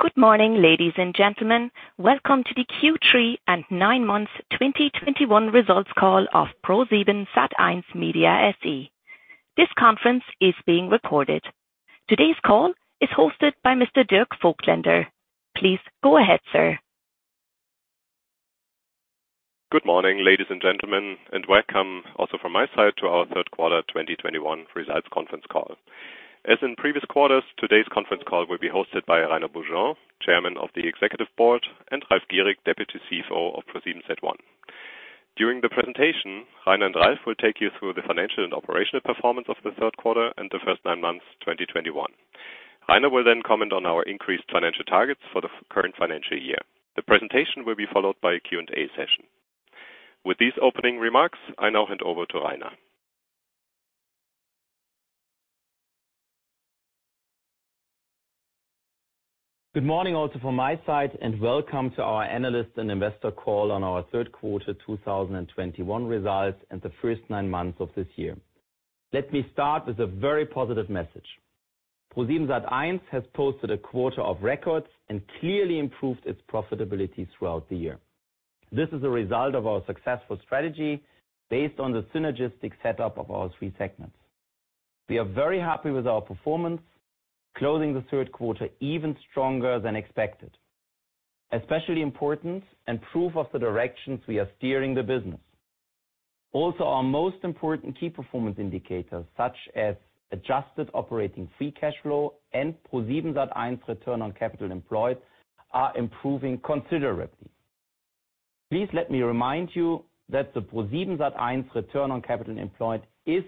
Good morning, ladies and gentlemen. Welcome to the Q3 and nine months 2021 results call of ProSiebenSat.1 Media SE. This conference is being recorded. Today's call is hosted by Mr. Dirk Voigtländer. Please go ahead, sir. Good morning, ladies and gentlemen, and welcome also from my side to our third quarter 2021 results conference call. As in previous quarters, today's conference call will be hosted by Rainer Beaujean, Chairman of the Executive Board, and Ralf Gierig, Deputy CFO of ProSiebenSat.1. During the presentation, Rainer and Ralf will take you through the financial and operational performance of the third quarter and the first nine months 2021. Rainer will then comment on our increased financial targets for the current financial year. The presentation will be followed by a Q&A session. With these opening remarks, I now hand over to Rainer. Good morning also from my side, and welcome to our analyst and investor call on our third quarter 2021 results and the first nine months of this year. Let me start with a very positive message. ProSiebenSat.1 has posted a quarter of records and clearly improved its profitability throughout the year. This is a result of our successful strategy based on the synergistic setup of our three segments. We are very happy with our performance, closing the third quarter even stronger than expected, especially important and proof of the directions we are steering the business. Also, our most important key performance indicators, such as adjusted operating free cash flow and ProSiebenSat.1 return on capital employed, are improving considerably. Please let me remind you that the ProSiebenSat.1 return on capital employed is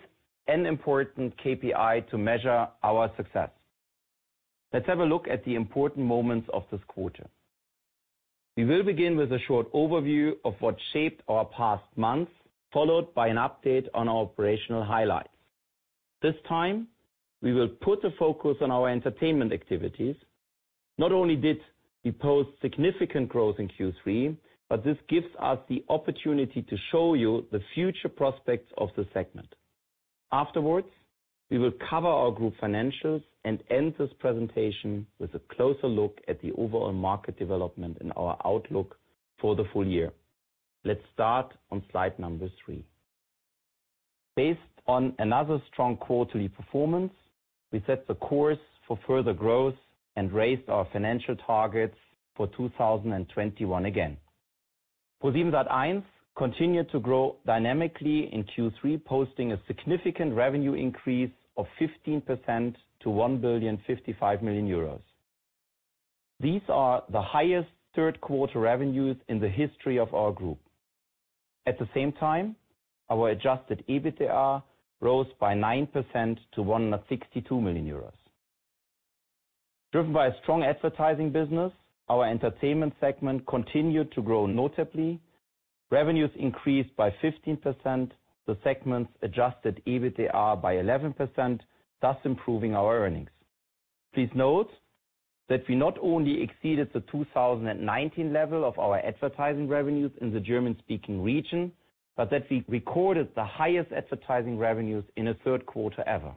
an important KPI to measure our success. Let's have a look at the important moments of this quarter. We will begin with a short overview of what shaped our past month, followed by an update on our operational highlights. This time, we will put the focus on our entertainment activities. Not only did we post significant growth in Q3, but this gives us the opportunity to show you the future prospects of the segment. Afterwards, we will cover our group financials and end this presentation with a closer look at the overall market development and our outlook for the full year. Let's start on slide three. Based on another strong quarterly performance, we set the course for further growth and raised our financial targets for 2021 again. ProSiebenSat.1 continued to grow dynamically in Q3, posting a significant revenue increase of 15% to 1.055 billion euros. These are the highest third quarter revenues in the history of our group. At the same time, our adjusted EBITDA rose by 9% to 162 million euros. Driven by a strong advertising business, our entertainment segment continued to grow notably. Revenues increased by 15%, the segment's adjusted EBITDA by 11%, thus improving our earnings. Please note that we not only exceeded the 2019 level of our advertising revenues in the German-speaking region, but that we recorded the highest advertising revenues in a third quarter ever.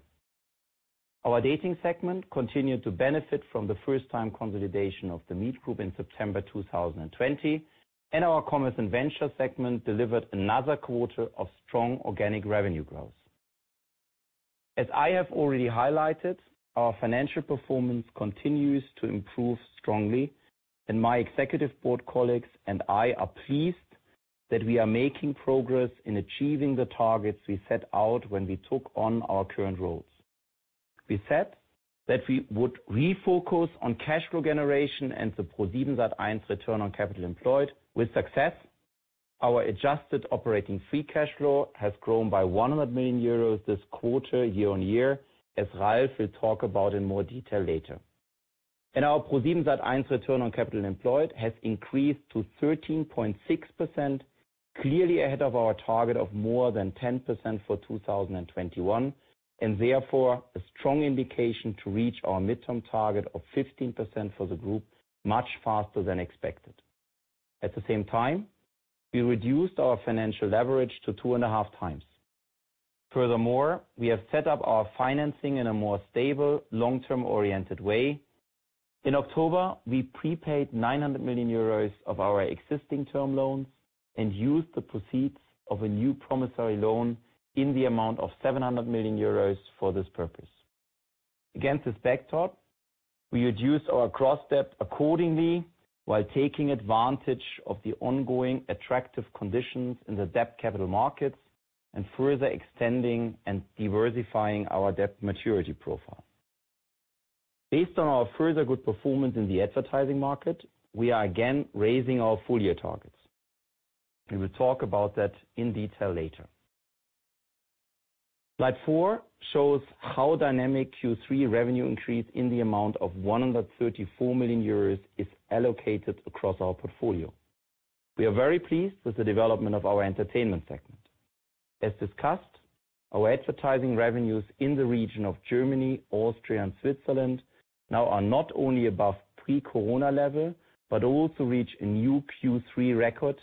Our dating segment continued to benefit from the first time consolidation of The Meet Group in September 2020, and our Commerce and Venture segment delivered another quarter of strong organic revenue growth. As I have already highlighted, our financial performance continues to improve strongly, and my executive board colleagues and I are pleased that we are making progress in achieving the targets we set out when we took on our current roles. We said that we would refocus on cash flow generation and the ProSiebenSat.1 return on capital employed with success. Our adjusted operating free cash flow has grown by 100 million euros this quarter year-on-year, as Ralf will talk about in more detail later. Our ProSiebenSat.1 return on capital employed has increased to 13.6%, clearly ahead of our target of more than 10% for 2021, and therefore, a strong indication to reach our midterm target of 15% for the group much faster than expected. At the same time, we reduced our financial leverage to 2.5x. Furthermore, we have set up our financing in a more stable, long-term oriented way. In October, we prepaid 900 million euros of our existing term loans and used the proceeds of a new promissory loan in the amount of 700 million euros for this purpose. Against this backdrop, we reduced our cross-debt accordingly while taking advantage of the ongoing attractive conditions in the debt capital markets and further extending and diversifying our debt maturity profile. Based on our further good performance in the advertising market, we are again raising our full-year targets. We will talk about that in detail later. Slide four shows how dynamic Q3 revenue increase in the amount of 134 million euros is allocated across our portfolio. We are very pleased with the development of our entertainment segment. As discussed, our advertising revenues in the region of Germany, Austria, and Switzerland now are not only above pre-corona level, but also reach a new Q3 record,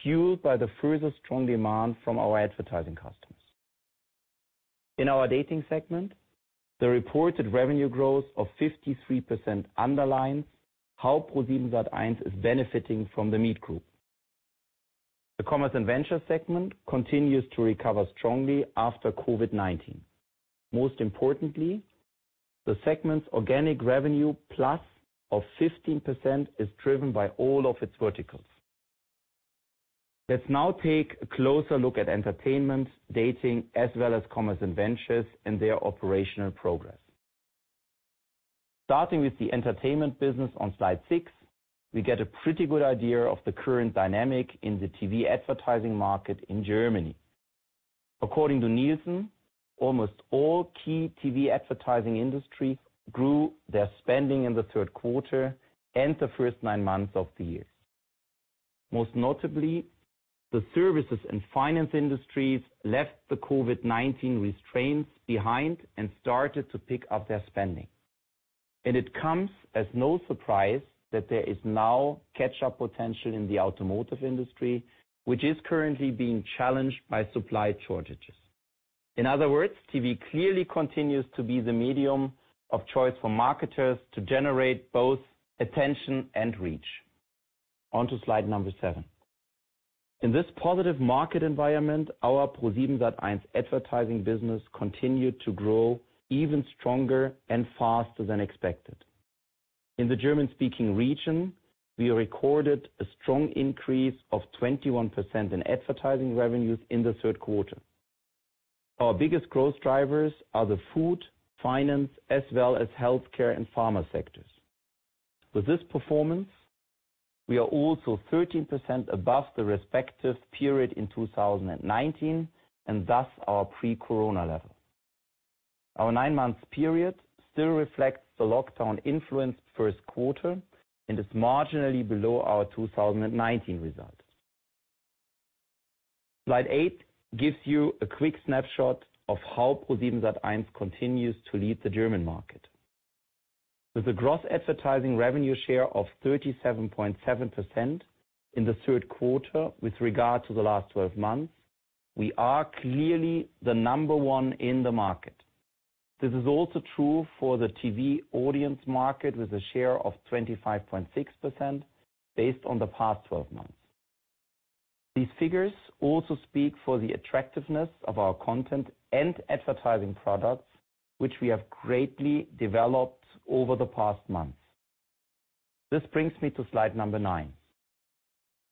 fueled by the further strong demand from our advertising customers. In our Dating segment, the reported revenue growth of 53% underlines how ProSiebenSat.1 is benefiting from The Meet Group. The Commerce & Ventures segment continues to recover strongly after COVID-19. Most importantly, the segment's organic revenue plus of 15% is driven by all of its verticals. Let's now take a closer look at Entertainment, Dating, as well as Commerce & Ventures, and their operational progress. Starting with the Entertainment business on slide six, we get a pretty good idea of the current dynamic in the TV advertising market in Germany. According to Nielsen, almost all key TV advertising industry grew their spending in the third quarter and the first nine months of the year. Most notably, the services and finance industries left the COVID-19 restraints behind and started to pick up their spending. It comes as no surprise that there is now catch-up potential in the automotive industry, which is currently being challenged by supply shortages. In other words, TV clearly continues to be the medium of choice for marketers to generate both attention and reach. On to slide number seven. In this positive market environment, our ProSiebenSat.1 advertising business continued to grow even stronger and faster than expected. In the German-speaking region, we recorded a strong increase of 21% in advertising revenues in the third quarter. Our biggest growth drivers are the food, finance, as well as healthcare and pharma sectors. With this performance, we are also 13% above the respective period in 2019, and thus our pre-corona level. Our 9-month period still reflects the lockdown-influenced first quarter and is marginally below our 2019 results. Slide eight gives you a quick snapshot of how ProSiebenSat.1 continues to lead the German market. With a gross advertising revenue share of 37.7% in the third quarter with regard to the last twelve months, we are clearly the number one in the market. This is also true for the TV audience market, with a share of 25.6% based on the past twelve months. These figures also speak for the attractiveness of our content and advertising products, which we have greatly developed over the past months. This brings me to slide nine.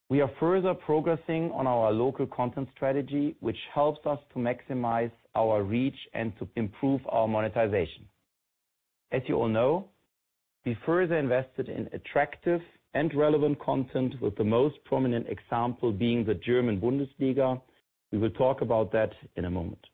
We are further progressing on our local content strategy, which helps us to maximize our reach and to improve our monetization. As you all know, we further invested in attractive and relevant content, with the most prominent example being the German Bundesliga. We will talk about that in a moment.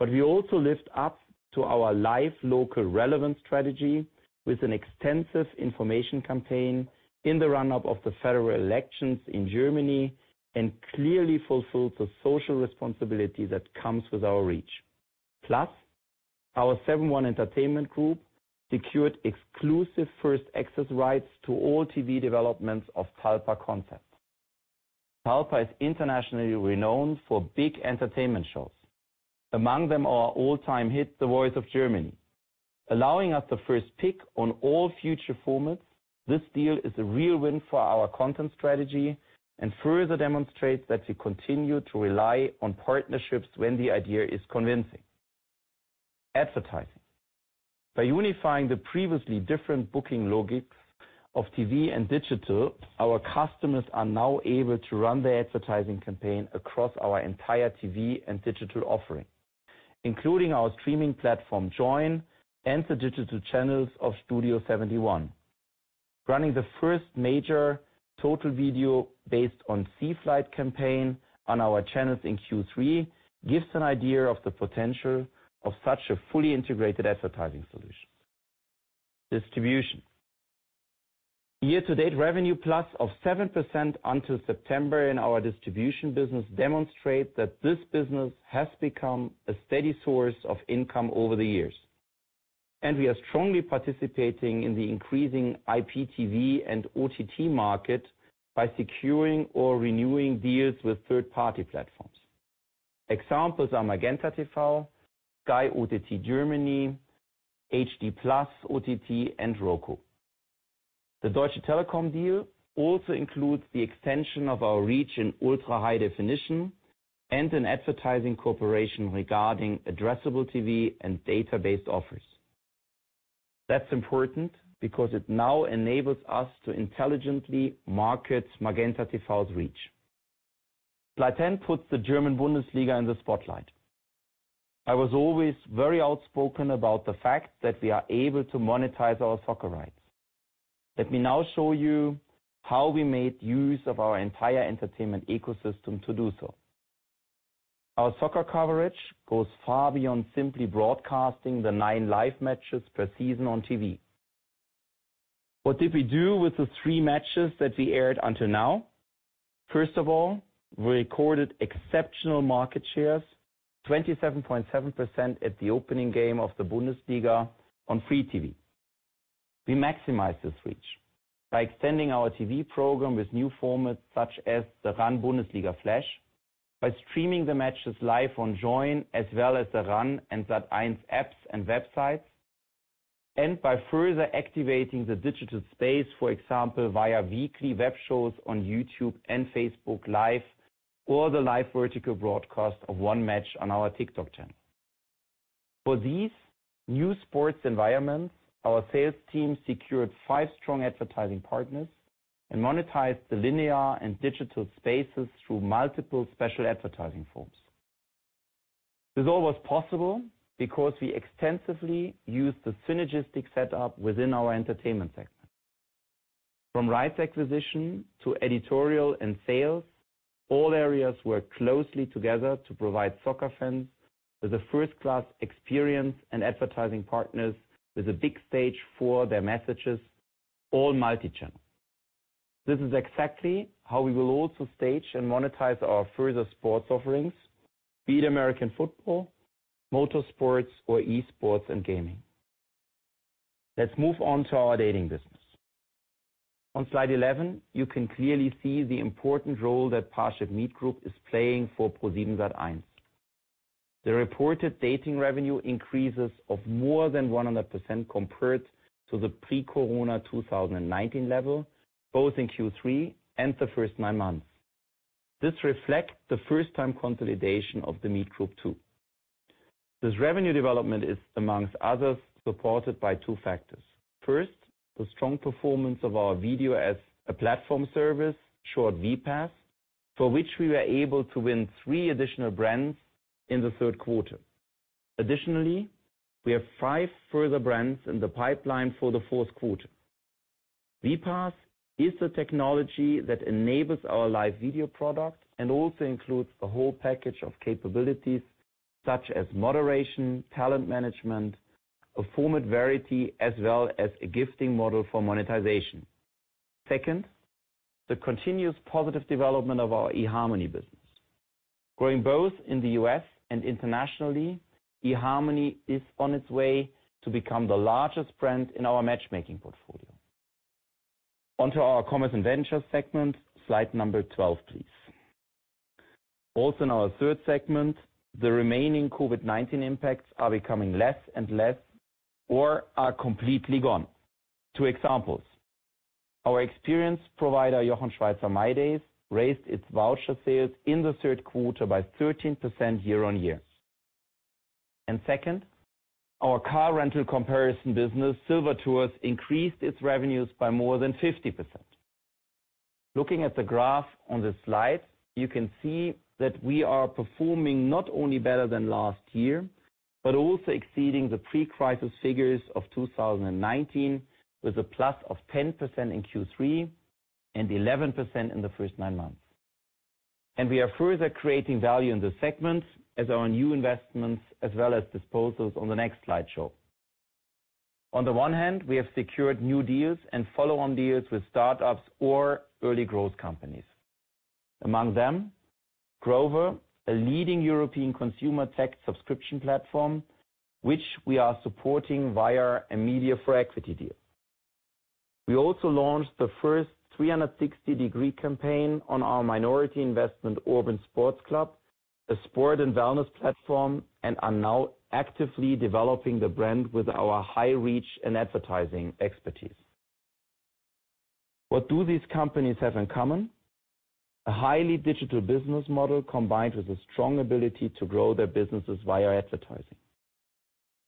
We also lived up to our live local relevance strategy with an extensive information campaign in the run-up of the federal elections in Germany and clearly fulfilled the social responsibility that comes with our reach. Plus, our Seven.One Entertainment Group secured exclusive first access rights to all TV developments of Talpa Concepts. Talpa is internationally renowned for big entertainment shows. Among them, our all-time hit, The Voice of Germany. Allowing us the first pick on all future formats, this deal is a real win for our content strategy and further demonstrates that we continue to rely on partnerships when the idea is convincing. Advertising. By unifying the previously different booking logics of TV and digital, our customers are now able to run their advertising campaign across our entire TV and digital offering, including our streaming platform, Joyn, and the digital channels of Studio71. Running the first major total video based on CFlight campaign on our channels in Q3 gives an idea of the potential of such a fully integrated advertising solution. Distribution. Year-to-date revenue plus of 7% until September in our distribution business demonstrate that this business has become a steady source of income over the years. We are strongly participating in the increasing IPTV and OTT market by securing or renewing deals with third-party platforms. Examples are MagentaTV, Sky OTT Germany, HD+ OTT, and Roku. The Deutsche Telekom deal also includes the extension of our reach in ultra-high definition and an advertising cooperation regarding addressable TV and database offers. That's important because it now enables us to intelligently market MagentaTV's reach. Slide 10 puts the German Bundesliga in the spotlight. I was always very outspoken about the fact that we are able to monetize our soccer rights. Let me now show you how we made use of our entire entertainment ecosystem to do so. Our soccer coverage goes far beyond simply broadcasting the nine live matches per season on TV. What did we do with the three matches that we aired until now? First of all, we recorded exceptional market shares, 27.7% at the opening game of the Bundesliga on free TV. We maximize this reach by extending our TV program with new formats such as the ran Bundesliga Flash, by streaming the matches live on Joyn, as well as the ran and Sat.1 apps and websites, and by further activating the digital space, for example, via weekly web shows on YouTube and Facebook Live, or the live vertical broadcast of one match on our TikTok channel. For these new sports environments, our sales team secured five strong advertising partners and monetized the linear and digital spaces through multiple special advertising forms. This all was possible because we extensively used the synergistic setup within our entertainment segment. From rights acquisition to editorial and sales, all areas work closely together to provide soccer fans with a first-class experience and advertising partners with a big stage for their messages, all multi-channel. This is exactly how we will also stage and monetize our further sports offerings, be it American football, motor sports or e-sports and gaming. Let's move on to our dating business. On slide 11, you can clearly see the important role that ParshipMeet Group is playing for ProSiebenSat.1. The reported dating revenue increases of more than 100% compared to the pre-corona 2019 level, both in Q3 and the first nine months. This reflects the first time consolidation of The Meet Group too. This revenue development is, among others, supported by two factors. First, the strong performance of our Video as a Platform Service, short vPaaS, for which we were able to win three additional brands in the third quarter. Additionally, we have five further brands in the pipeline for the fourth quarter. vPaaS is the technology that enables our live video product and also includes a whole package of capabilities such as moderation, talent management, a format variety, as well as a gifting model for monetization. Second, the continuous positive development of our eharmony business. Growing both in the U.S. and internationally, eharmony is on its way to become the largest brand in our matchmaking portfolio. Onto our Commerce and Venture segment, slide number 12, please. Also in our third segment, the remaining COVID-19 impacts are becoming less and less or are completely gone. Two examples: our experience provider, Jochen Schweizer mydays, raised its voucher sales in the third quarter by 13% year-over-year. Second, our car rental comparison business, billiger-mietwagen.de, increased its revenues by more than 50%. Looking at the graph on this slide, you can see that we are performing not only better than last year, but also exceeding the pre-crisis figures of 2019 with a plus of 10% in Q3 and 11% in the first nine months. We are further creating value in the segments as our new investments as well as disposals on the next slideshow. On the one hand, we have secured new deals and follow-on deals with startups or early growth companies. Among them, Grover, a leading European consumer tech subscription platform, which we are supporting via a media for equity deal. We also launched the first 360-degree campaign on our minority investment Urban Sports Club, a sports and wellness platform, and are now actively developing the brand with our high reach and advertising expertise. What do these companies have in common? A highly digital business model combined with a strong ability to grow their businesses via advertising.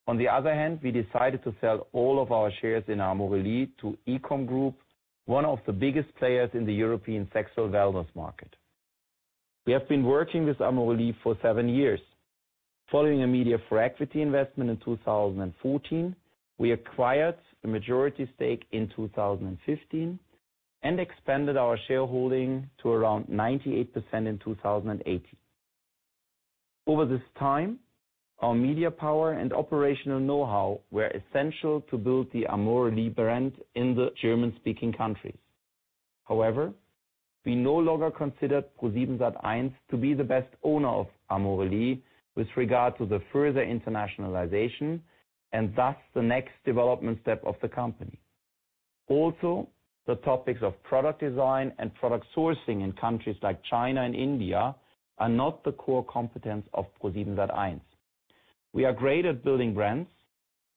On the other hand, we decided to sell all of our shares in Amorelie to EQOM Group, one of the biggest players in the European sexual wellness market. We have been working with Amorelie for seven years. Following a media for equity investment in 2014, we acquired a majority stake in 2015, and expanded our shareholding to around 98% in 2018. Over this time, our media power and operational know-how were essential to build the Amorelie brand in the German-speaking countries. However, we no longer considered ProSiebenSat.1 to be the best owner of Amorelie with regard to the further internationalization and thus the next development step of the company. Also, the topics of product design and product sourcing in countries like China and India are not the core competence of ProSiebenSat.1. We are great at building brands,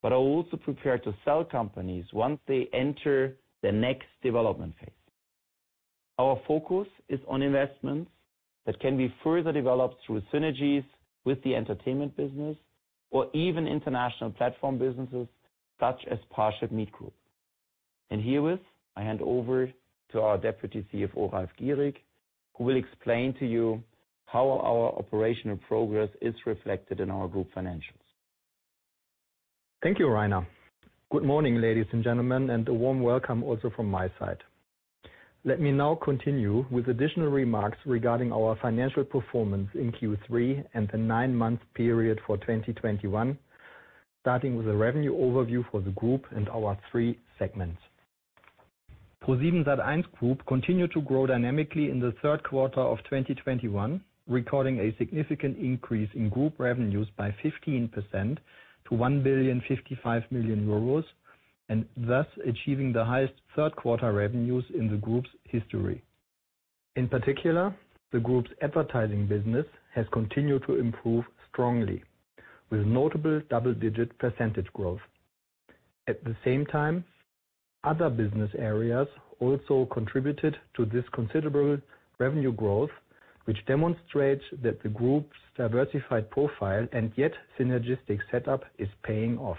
but are also prepared to sell companies once they enter the next development phase. Our focus is on investments that can be further developed through synergies with the entertainment business or even international platform businesses such as ParshipMeet Group. Herewith, I hand over to our Deputy CFO, Ralf Gierig, who will explain to you how our operational progress is reflected in our group financials. Thank you, Rainer. Good morning, ladies and gentlemen, and a warm welcome also from my side. Let me now continue with additional remarks regarding our financial performance in Q3 and the nine-month period for 2021, starting with a revenue overview for the group and our three segments. ProSiebenSat.1 Group continued to grow dynamically in the third quarter of 2021, recording a significant increase in group revenues by 15% to 1,055 million euros, and thus achieving the highest third quarter revenues in the group's history. In particular, the group's advertising business has continued to improve strongly with notable double-digit percentage growth. At the same time, other business areas also contributed to this considerable revenue growth, which demonstrates that the group's diversified profile, and yet synergistic setup is paying off.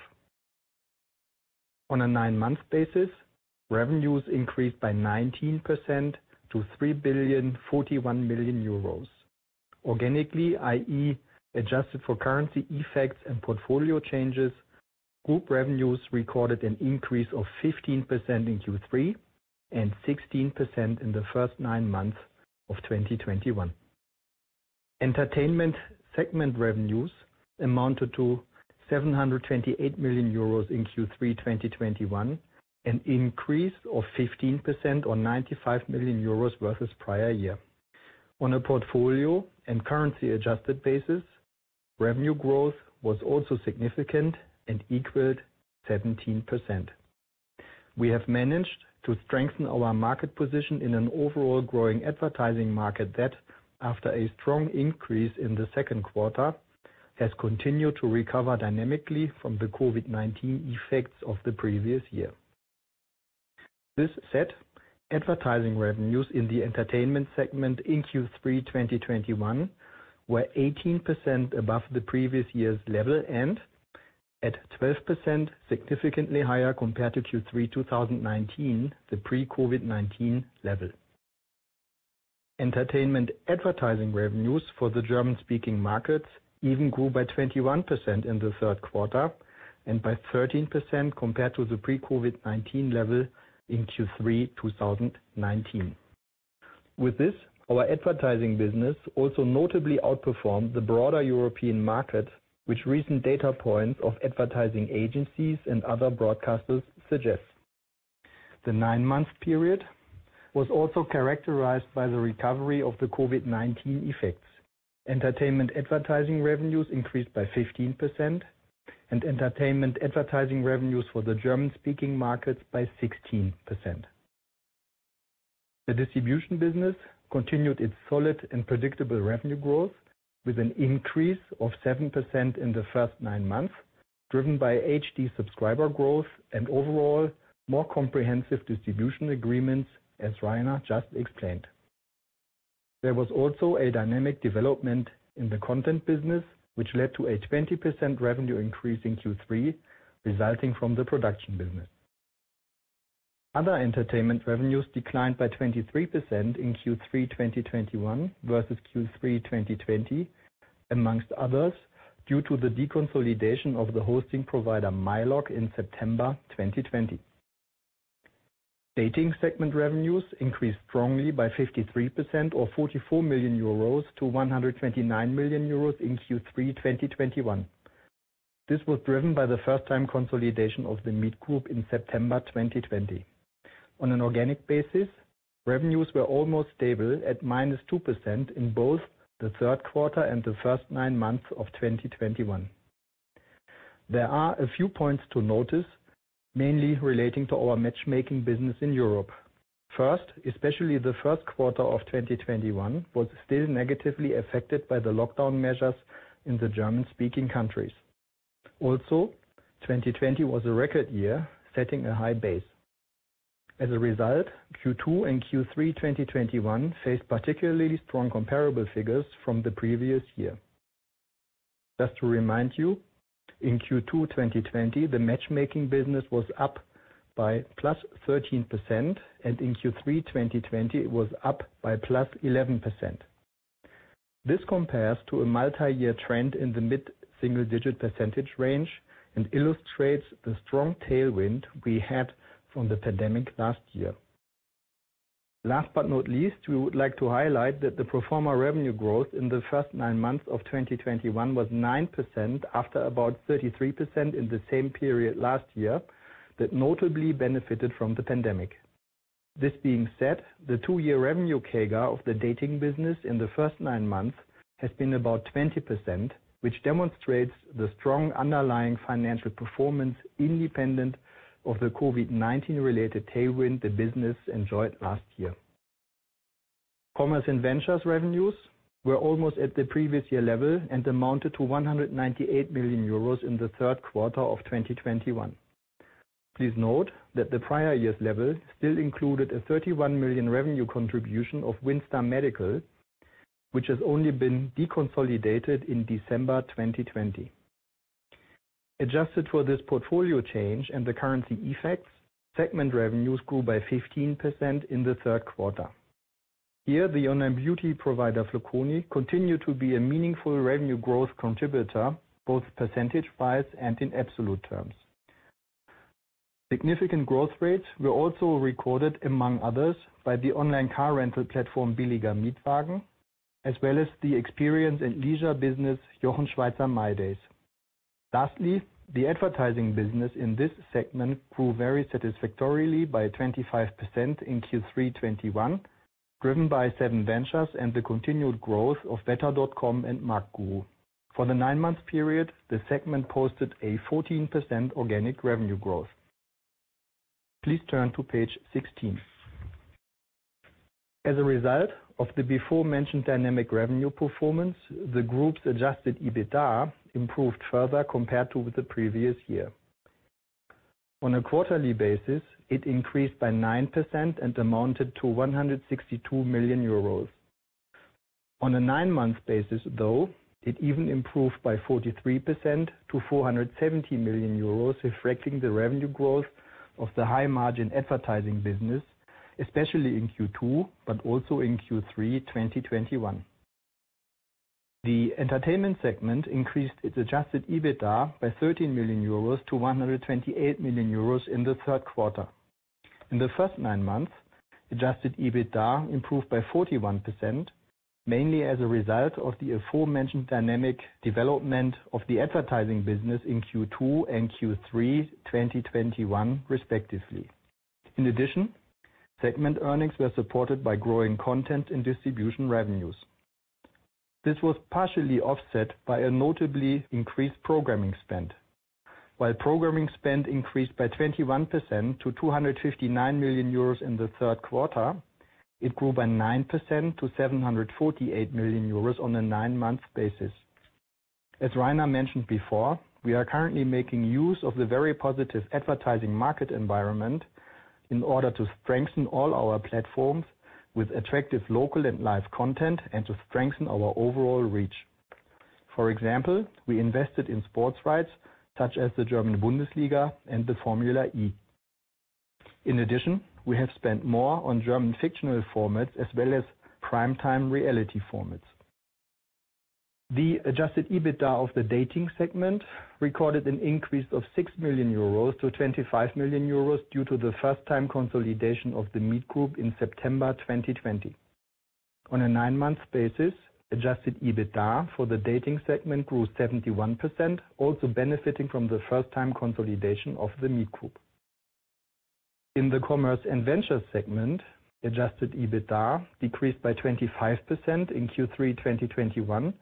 On a nine-month basis, revenues increased by 19% to 3,041 million euros. Organically, i.e. adjusted for currency effects and portfolio changes, group revenues recorded an increase of 15% in Q3 and 16% in the first nine months of 2021. Entertainment segment revenues amounted to 728 million euros in Q3 2021, an increase of 15% or 95 million euros versus prior year. On a portfolio and currency-adjusted basis, revenue growth was also significant and equaled 17%. We have managed to strengthen our market position in an overall growing advertising market that, after a strong increase in the second quarter, has continued to recover dynamically from the COVID-19 effects of the previous year. This said, advertising revenues in the entertainment segment in Q3 2021 were 18% above the previous year's level and at 12% significantly higher compared to Q3 2019, the pre-COVID-19 level. Entertainment advertising revenues for the German-speaking markets even grew by 21% in the third quarter and by 13% compared to the pre-COVID-19 level in Q3 2019. With this, our advertising business also notably outperformed the broader European market, which recent data points of advertising agencies and other broadcasters suggest. The nine-month period was also characterized by the recovery of the COVID-19 effects. Entertainment advertising revenues increased by 15% and entertainment advertising revenues for the German-speaking markets by 16%. The distribution business continued its solid and predictable revenue growth with an increase of 7% in the first nine months, driven by HD subscriber growth and overall more comprehensive distribution agreements, as Rainer Beaujean just explained. There was also a dynamic development in the content business, which led to a 20% revenue increase in Q3 resulting from the production business. Other entertainment revenues declined by 23% in Q3 2021 versus Q3 2020, among others, due to the deconsolidation of the hosting provider, myLoc, in September 2020. Dating segment revenues increased strongly by 53% or 44 million-129 million euros in Q3 2021. This was driven by the first-time consolidation of the Meet Group in September 2020. On an organic basis, revenues were almost stable at -2% in both the third quarter and the first nine months of 2021. There are a few points to notice, mainly relating to our matchmaking business in Europe. First, especially the first quarter of 2021 was still negatively affected by the lockdown measures in the German-speaking countries. Also, 2020 was a record year, setting a high base. As a result, Q2 and Q3 2021 faced particularly strong comparable figures from the previous year. Just to remind you, in Q2 2020, the matchmaking business was up by +13%, and in Q3 2020, it was up by +11%. This compares to a multi-year trend in the mid-single digit percentage range and illustrates the strong tailwind we had from the pandemic last year. Last but not least, we would like to highlight that the pro forma revenue growth in the first nine months of 2021 was 9% after about 33% in the same period last year that notably benefited from the pandemic. This being said, the two-year revenue CAGR of the dating business in the first nine months has been about 20%, which demonstrates the strong underlying financial performance independent of the COVID-19 related tailwind the business enjoyed last year. Commerce and Ventures revenues were almost at the previous year level and amounted to 198 million euros in the third quarter of 2021. Please note that the prior year's level still included a 31 million revenue contribution of WindStar Medical, which has only been deconsolidated in December 2020. Adjusted for this portfolio change and the currency effects, segment revenues grew by 15% in the third quarter. Here, the online beauty provider, Flaconi, continued to be a meaningful revenue growth contributor, both percentage-wise and in absolute terms. Significant growth rates were also recorded, among others, by the online car rental platform, billiger-mietwagen.de, as well as the experience and leisure business, Jochen Schweizer mydays. Lastly, the advertising business in this segment grew very satisfactorily by 25% in Q3 2021, driven by SevenVentures and the continued growth of verivox.com and marktguru. For the nine-month period, the segment posted a 14% organic revenue growth. Please turn to page 16. As a result of the before-mentioned dynamic revenue performance, the group's adjusted EBITDA improved further compared to the previous year. On a quarterly basis, it increased by 9% and amounted to 162 million euros. On a nine-month basis, though, it even improved by 43% to 470 million euros, reflecting the revenue growth of the high-margin advertising business, especially in Q2, but also in Q3 2021. The entertainment segment increased its adjusted EBITDA by 13 million-128 million euros in the third quarter. In the first nine months, adjusted EBITDA improved by 41%, mainly as a result of the aforementioned dynamic development of the advertising business in Q2 and Q3 2021 respectively. In addition, segment earnings were supported by growing content and distribution revenues. This was partially offset by a notably increased programming spend. While programming spend increased by 21% to 259 million euros in the third quarter, it grew by 9% to 748 million euros on a nine-month basis. As Rainer mentioned before, we are currently making use of the very positive advertising market environment in order to strengthen all our platforms with attractive local and live content and to strengthen our overall reach. For example, we invested in sports rights such as the German Bundesliga and the Formula E. In addition, we have spent more on German fictional formats as well as prime time reality formats. The adjusted EBITDA of the dating segment recorded an increase of 6 million-25 million euros due to the first-time consolidation of The Meet Group in September 2020. On a nine-month basis, adjusted EBITDA for the dating segment grew 71%, also benefiting from the first-time consolidation of The Meet Group. In the commerce and ventures segment, adjusted EBITDA decreased by 25% in Q3 2021,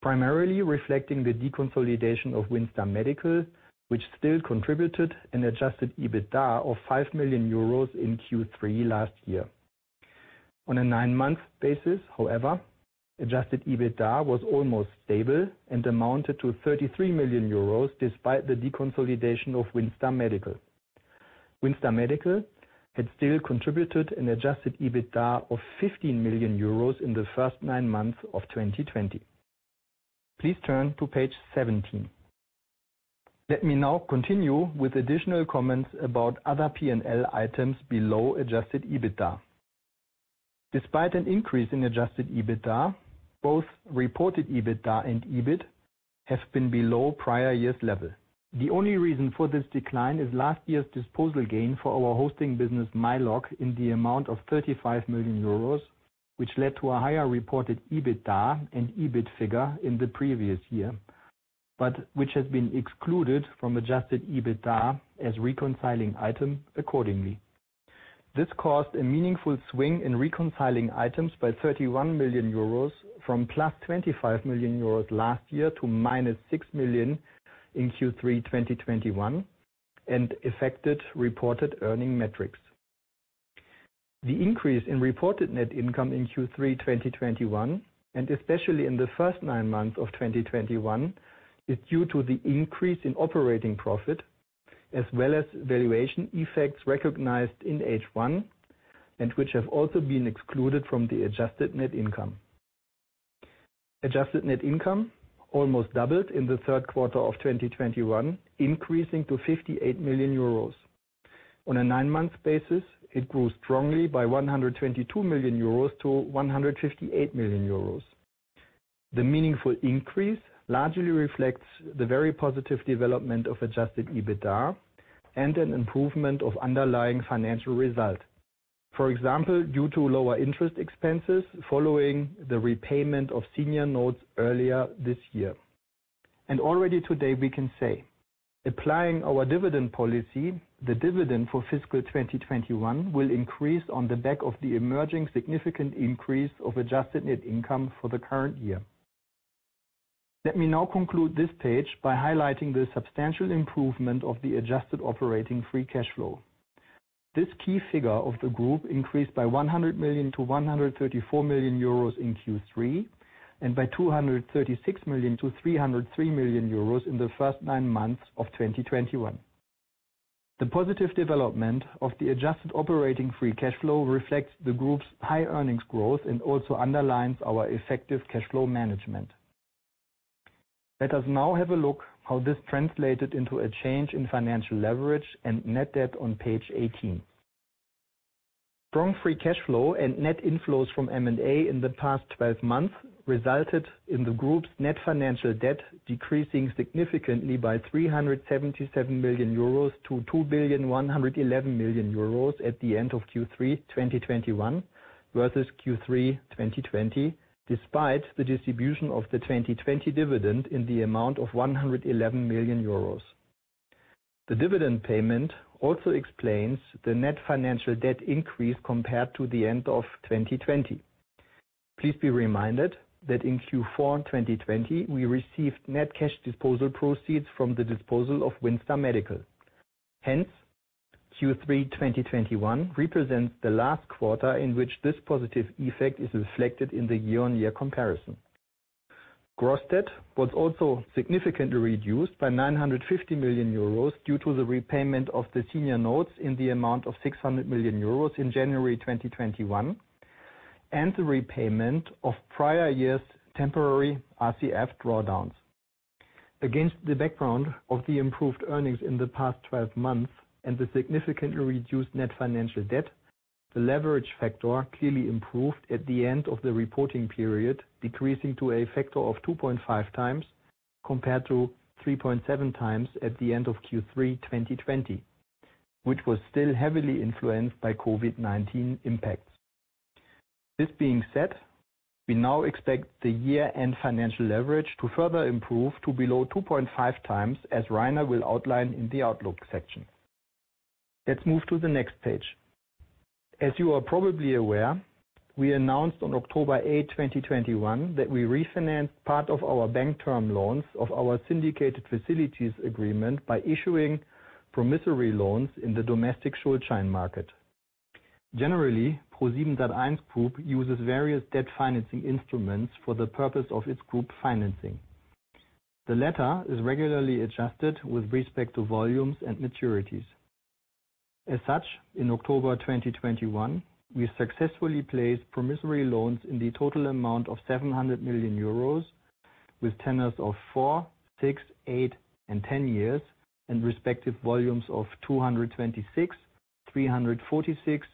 primarily reflecting the deconsolidation of WindStar Medical, which still contributed an adjusted EBITDA of 5 million euros in Q3 last year. On a nine-month basis, however, adjusted EBITDA was almost stable and amounted to 33 million euros despite the deconsolidation of WindStar Medical. WindStar Medical had still contributed an adjusted EBITDA of 15 million euros in the first nine months of 2020. Please turn to page 17. Let me now continue with additional comments about other P&L items below adjusted EBITDA. Despite an increase in adjusted EBITDA, both reported EBITDA and EBIT have been below prior year's level. The only reason for this decline is last year's disposal gain for our hosting business, myLoc, in the amount of 35 million euros, which led to a higher reported EBITDA and EBIT figure in the previous year, but which has been excluded from adjusted EBITDA as reconciling item accordingly. This caused a meaningful swing in reconciling items by 31 million euros from plus 25 million euros last year to minus 6 million in Q3 2021, and affected reported earning metrics. The increase in reported net income in Q3 2021, and especially in the first nine months of 2020, is due to the increase in operating profit as well as valuation effects recognized in H1 and which have also been excluded from the adjusted net income. Adjusted net income almost doubled in the third quarter of 2021, increasing to 58 million euros. On a nine-month basis, it grew strongly by 122 million-158 million euros. The meaningful increase largely reflects the very positive development of adjusted EBITDA and an improvement of underlying financial results. For example, due to lower interest expenses following the repayment of senior notes earlier this year. Already today we can say, applying our dividend policy, the dividend for fiscal 2021 will increase on the back of the emerging significant increase of adjusted net income for the current year. Let me now conclude this page by highlighting the substantial improvement of the adjusted operating free cash flow. This key figure of the group increased by 100 million-134 million euros in Q3, and by 236 million- 303 million euros in the first nine months of 2021. The positive development of the adjusted operating free cash flow reflects the group's high earnings growth and also underlines our effective cash flow management. Let us now have a look how this translated into a change in financial leverage and net debt on page 18. Strong free cash flow and net inflows from M&A in the past twelve months resulted in the group's net financial debt decreasing significantly by 377 million-2,111 million euros at the end of Q3 2021 versus Q3 2020, despite the distribution of the 2020 dividend in the amount of 111 million euros. The dividend payment also explains the net financial debt increase compared to the end of 2020. Please be reminded that in Q4 2020, we received net cash disposal proceeds from the disposal of WindStar Medical. Hence, Q3 2021 represents the last quarter in which this positive effect is reflected in the year-on-year comparison. Gross debt was also significantly reduced by 950 million euros due to the repayment of the senior notes in the amount of 600 million euros in January 2021, and the repayment of prior years temporary RCF drawdowns. Against the background of the improved earnings in the past 12 months and the significantly reduced net financial debt, the leverage factor clearly improved at the end of the reporting period, decreasing to a factor of 2.5x compared to 3.7x at the end of Q3 2020, which was still heavily influenced by COVID-19 impacts. This being said, we now expect the year-end financial leverage to further improve to below 2.5x, as Rainer will outline in the outlook section. Let's move to the next page. As you are probably aware, we announced on October 8, 2021, that we refinanced part of our bank term loans of our syndicated facilities agreement by issuing promissory loans in the domestic Schuldschein market. Generally, ProSiebenSat.1 Group uses various debt financing instruments for the purpose of its group financing. The latter is regularly adjusted with respect to volumes and maturities. As such, in October 2021, we successfully placed promissory loans in the total amount of 700 million euros with tenors of 4, 6, 8, and 10 years, and respective volumes of 226 million, 346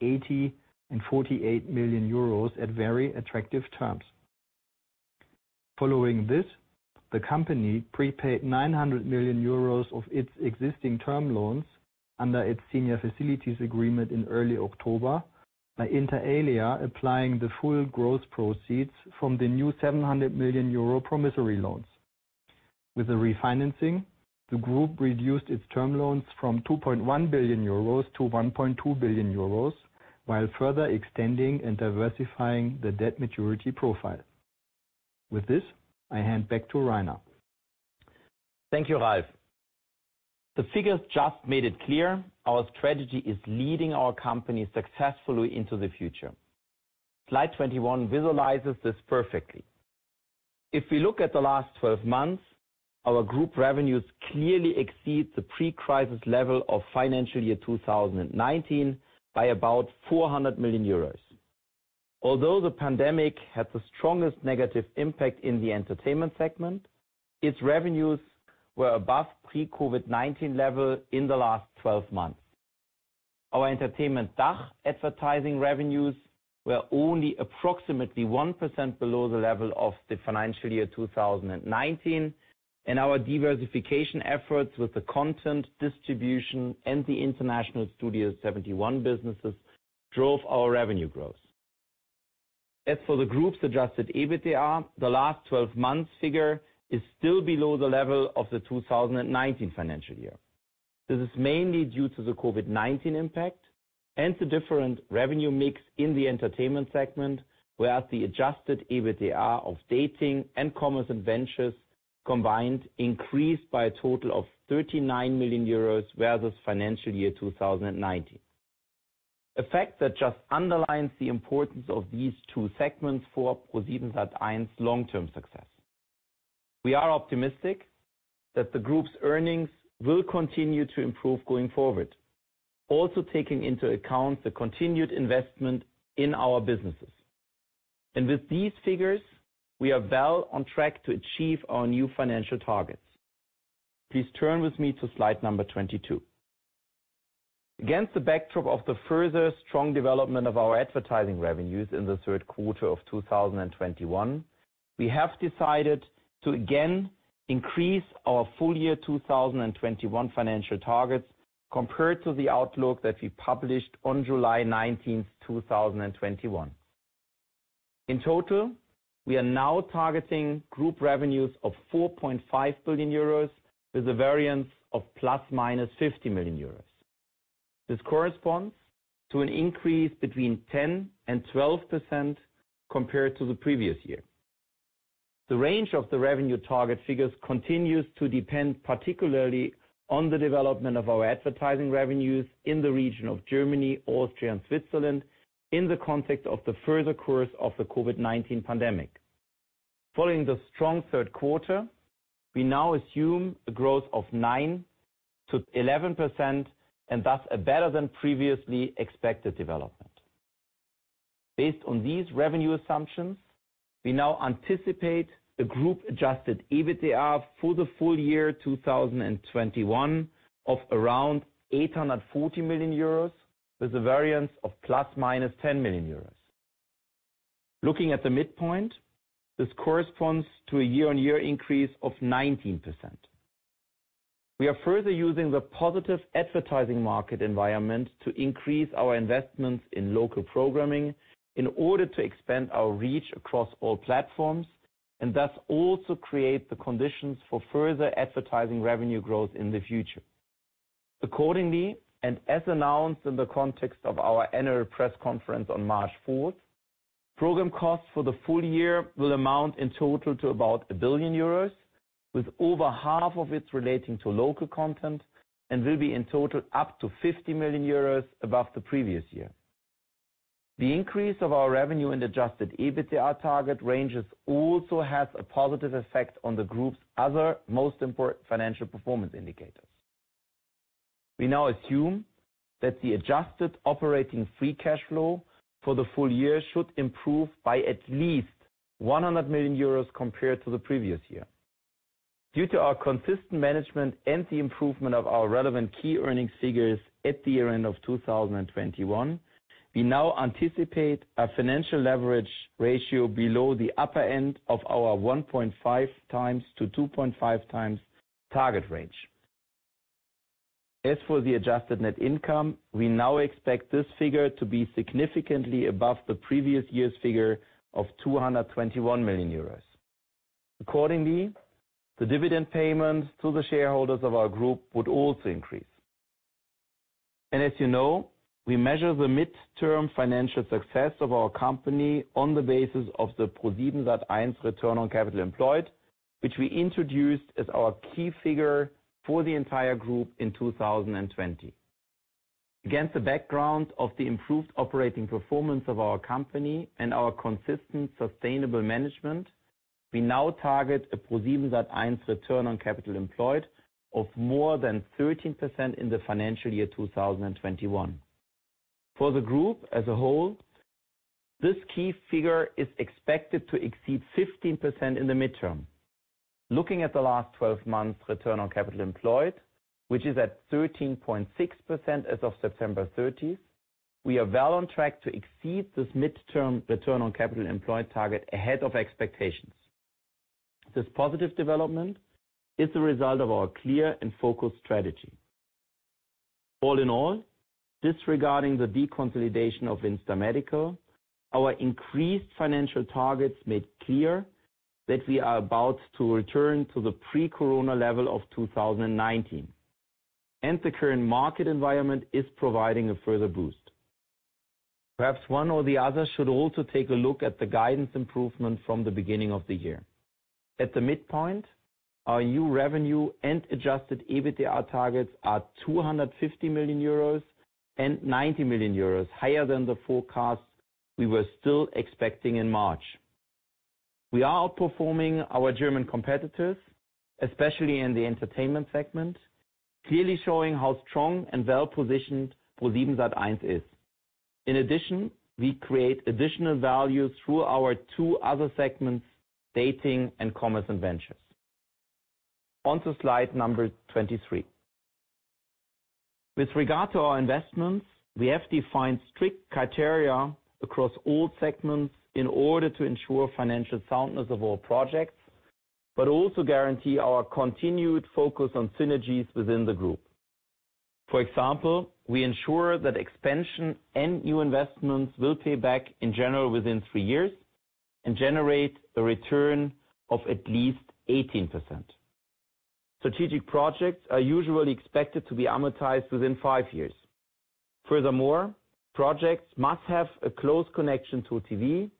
million, 80 million, and 48 million euros at very attractive terms. Following this, the company prepaid 900 million euros of its existing term loans under its senior facilities agreement in early October by, inter alia, applying the full gross proceeds from the new 700 million euro promissory loans. With the refinancing, the group reduced its term loans from 2.1 billion-1.2 billion euros, while further extending and diversifying the debt maturity profile. With this, I hand back to Rainer. Thank you, Ralf. The figures just made it clear our strategy is leading our company successfully into the future. Slide 21 visualizes this perfectly. If we look at the last 12 months, our group revenues clearly exceed the pre-crisis level of financial year 2019 by about 400 million euros. Although the pandemic had the strongest negative impact in the entertainment segment, its revenues were above pre-COVID-19 level in the last 12 months. Our entertainment DACH advertising revenues were only approximately 1% below the level of the financial year 2019, and our diversification efforts with the content distribution and the International Studio71 businesses drove our revenue growth. As for the group's adjusted EBITDA, the last 12 months figure is still below the level of the 2019 financial year. This is mainly due to the COVID-19 impact and the different revenue mix in the entertainment segment, whereas the adjusted EBITDA of Dating and Commerce and Ventures combined increased by a total of 39 million euros versus financial year 2019. A fact that just underlines the importance of these two segments for ProSiebenSat.1's long-term success. We are optimistic that the group's earnings will continue to improve going forward, also taking into account the continued investment in our businesses. With these figures, we are well on track to achieve our new financial targets. Please turn with me to slide number 22. Against the backdrop of the further strong development of our advertising revenues in the third quarter of 2021, we have decided to again increase our full year 2021 financial targets compared to the outlook that we published on July 19, 2021. In total, we are now targeting group revenues of 4.5 billion euros with a variance of ±50 million euros. This corresponds to an increase between 10% and 12% compared to the previous year. The range of the revenue target figures continues to depend particularly on the development of our advertising revenues in the region of Germany, Austria, and Switzerland in the context of the further course of the COVID-19 pandemic. Following the strong third quarter, we now assume a growth of 9%-11%, and thus a better than previously expected development. Based on these revenue assumptions, we now anticipate a group-adjusted EBITDA for the full year 2021 of around 840 million euros, with a variance of ±10 million euros. Looking at the midpoint, this corresponds to a year-on-year increase of 19%. We are further using the positive advertising market environment to increase our investments in local programming in order to expand our reach across all platforms. Thus also create the conditions for further advertising revenue growth in the future. Accordingly, and as announced in the context of our annual press conference on March 4, program costs for the full year will amount in total to about 1 billion euros, with over half of it relating to local content, and will be in total up to 50 million euros above the previous year. The increase of our revenue and adjusted EBITDA target ranges also has a positive effect on the group's other most important financial performance indicators. We now assume that the adjusted operating free cash flow for the full year should improve by at least 100 million euros compared to the previous year. Due to our consistent management and the improvement of our relevant key earnings figures at the year-end of 2021, we now anticipate a financial leverage ratio below the upper end of our 1.5x-2.5x target range. As for the adjusted net income, we now expect this figure to be significantly above the previous year's figure of 221 million euros. Accordingly, the dividend payments to the shareholders of our group would also increase. As you know, we measure the midterm financial success of our company on the basis of the ProSiebenSat.1 return on capital employed, which we introduced as our key figure for the entire group in 2020. Against the background of the improved operating performance of our company and our consistent sustainable management, we now target a ProSiebenSat.1 return on capital employed of more than 13% in the financial year 2021. For the group as a whole, this key figure is expected to exceed 15% in the midterm. Looking at the last twelve months return on capital employed, which is at 13.6% as of September 30, we are well on track to exceed this midterm return on capital employed target ahead of expectations. This positive development is the result of our clear and focused strategy. All in all, disregarding the deconsolidation of WindStar Medical, our increased financial targets made clear that we are about to return to the pre-corona level of 2019, and the current market environment is providing a further boost. Perhaps one or the other should also take a look at the guidance improvement from the beginning of the year. At the midpoint, our new revenue and adjusted EBITDA targets are 250 million euros and 90 million euros higher than the forecast we were still expecting in March. We are outperforming our German competitors, especially in the entertainment segment, clearly showing how strong and well-positioned ProSiebenSat.1 is. In addition, we create additional value through our two other segments, dating and commerce and ventures. On to slide 23. With regard to our investments, we have defined strict criteria across all segments in order to ensure financial soundness of all projects, but also guarantee our continued focus on synergies within the group. For example, we ensure that expansion and new investments will pay back in general within three years and generate a return of at least 18%. Strategic projects are usually expected to be amortized within five years. Furthermore, projects must have a close connection to TV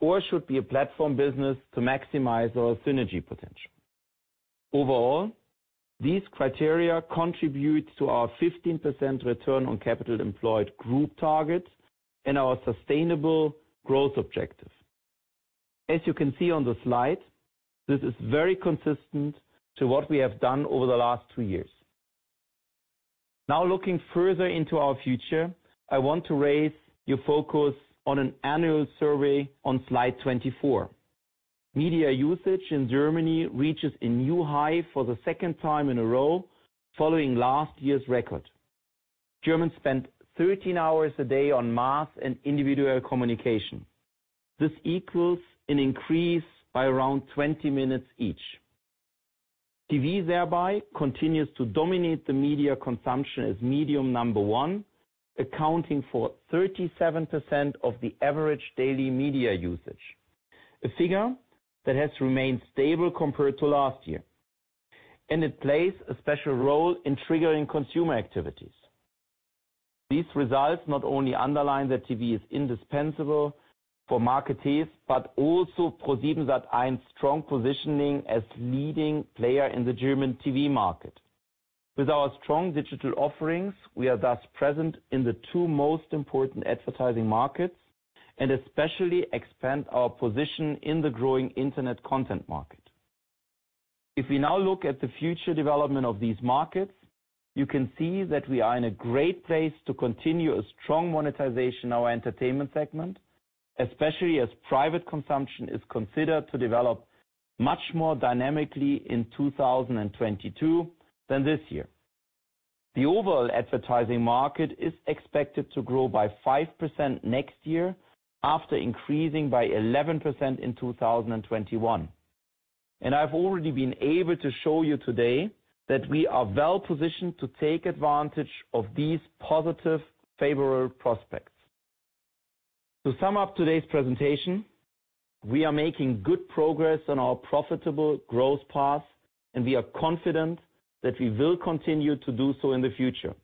or should be a platform business to maximize our synergy potential. Overall, these criteria contribute to our 15% return on capital employed group targets and our sustainable growth objective. As you can see on the slide, this is very consistent to what we have done over the last two years. Now, looking further into our future, I want to raise your focus on an annual survey on slide 24. Media usage in Germany reaches a new high for the second time in a row following last year's record. Germans spend 13 hours a day on mass and individual communication. This equals an increase by around 20 minutes each. TV thereby continues to dominate the media consumption as medium number one, accounting for 37% of the average daily media usage, a figure that has remained stable compared to last year, and it plays a special role in triggering consumer activities. These results not only underline that TV is indispensable for marketers, but also ProSiebenSat.1's strong positioning as leading player in the German TV market. With our strong digital offerings, we are thus present in the two most important advertising markets and especially expand our position in the growing internet content market. If we now look at the future development of these markets, you can see that we are in a great place to continue a strong monetization of our entertainment segment, especially as private consumption is considered to develop much more dynamically in 2022 than this year. The overall advertising market is expected to grow by 5% next year after increasing by 11% in 2021. I've already been able to show you today that we are well-positioned to take advantage of these positive, favorable prospects. To sum up today's presentation, we are making good progress on our profitable growth path, and we are confident that we will continue to do so in the future.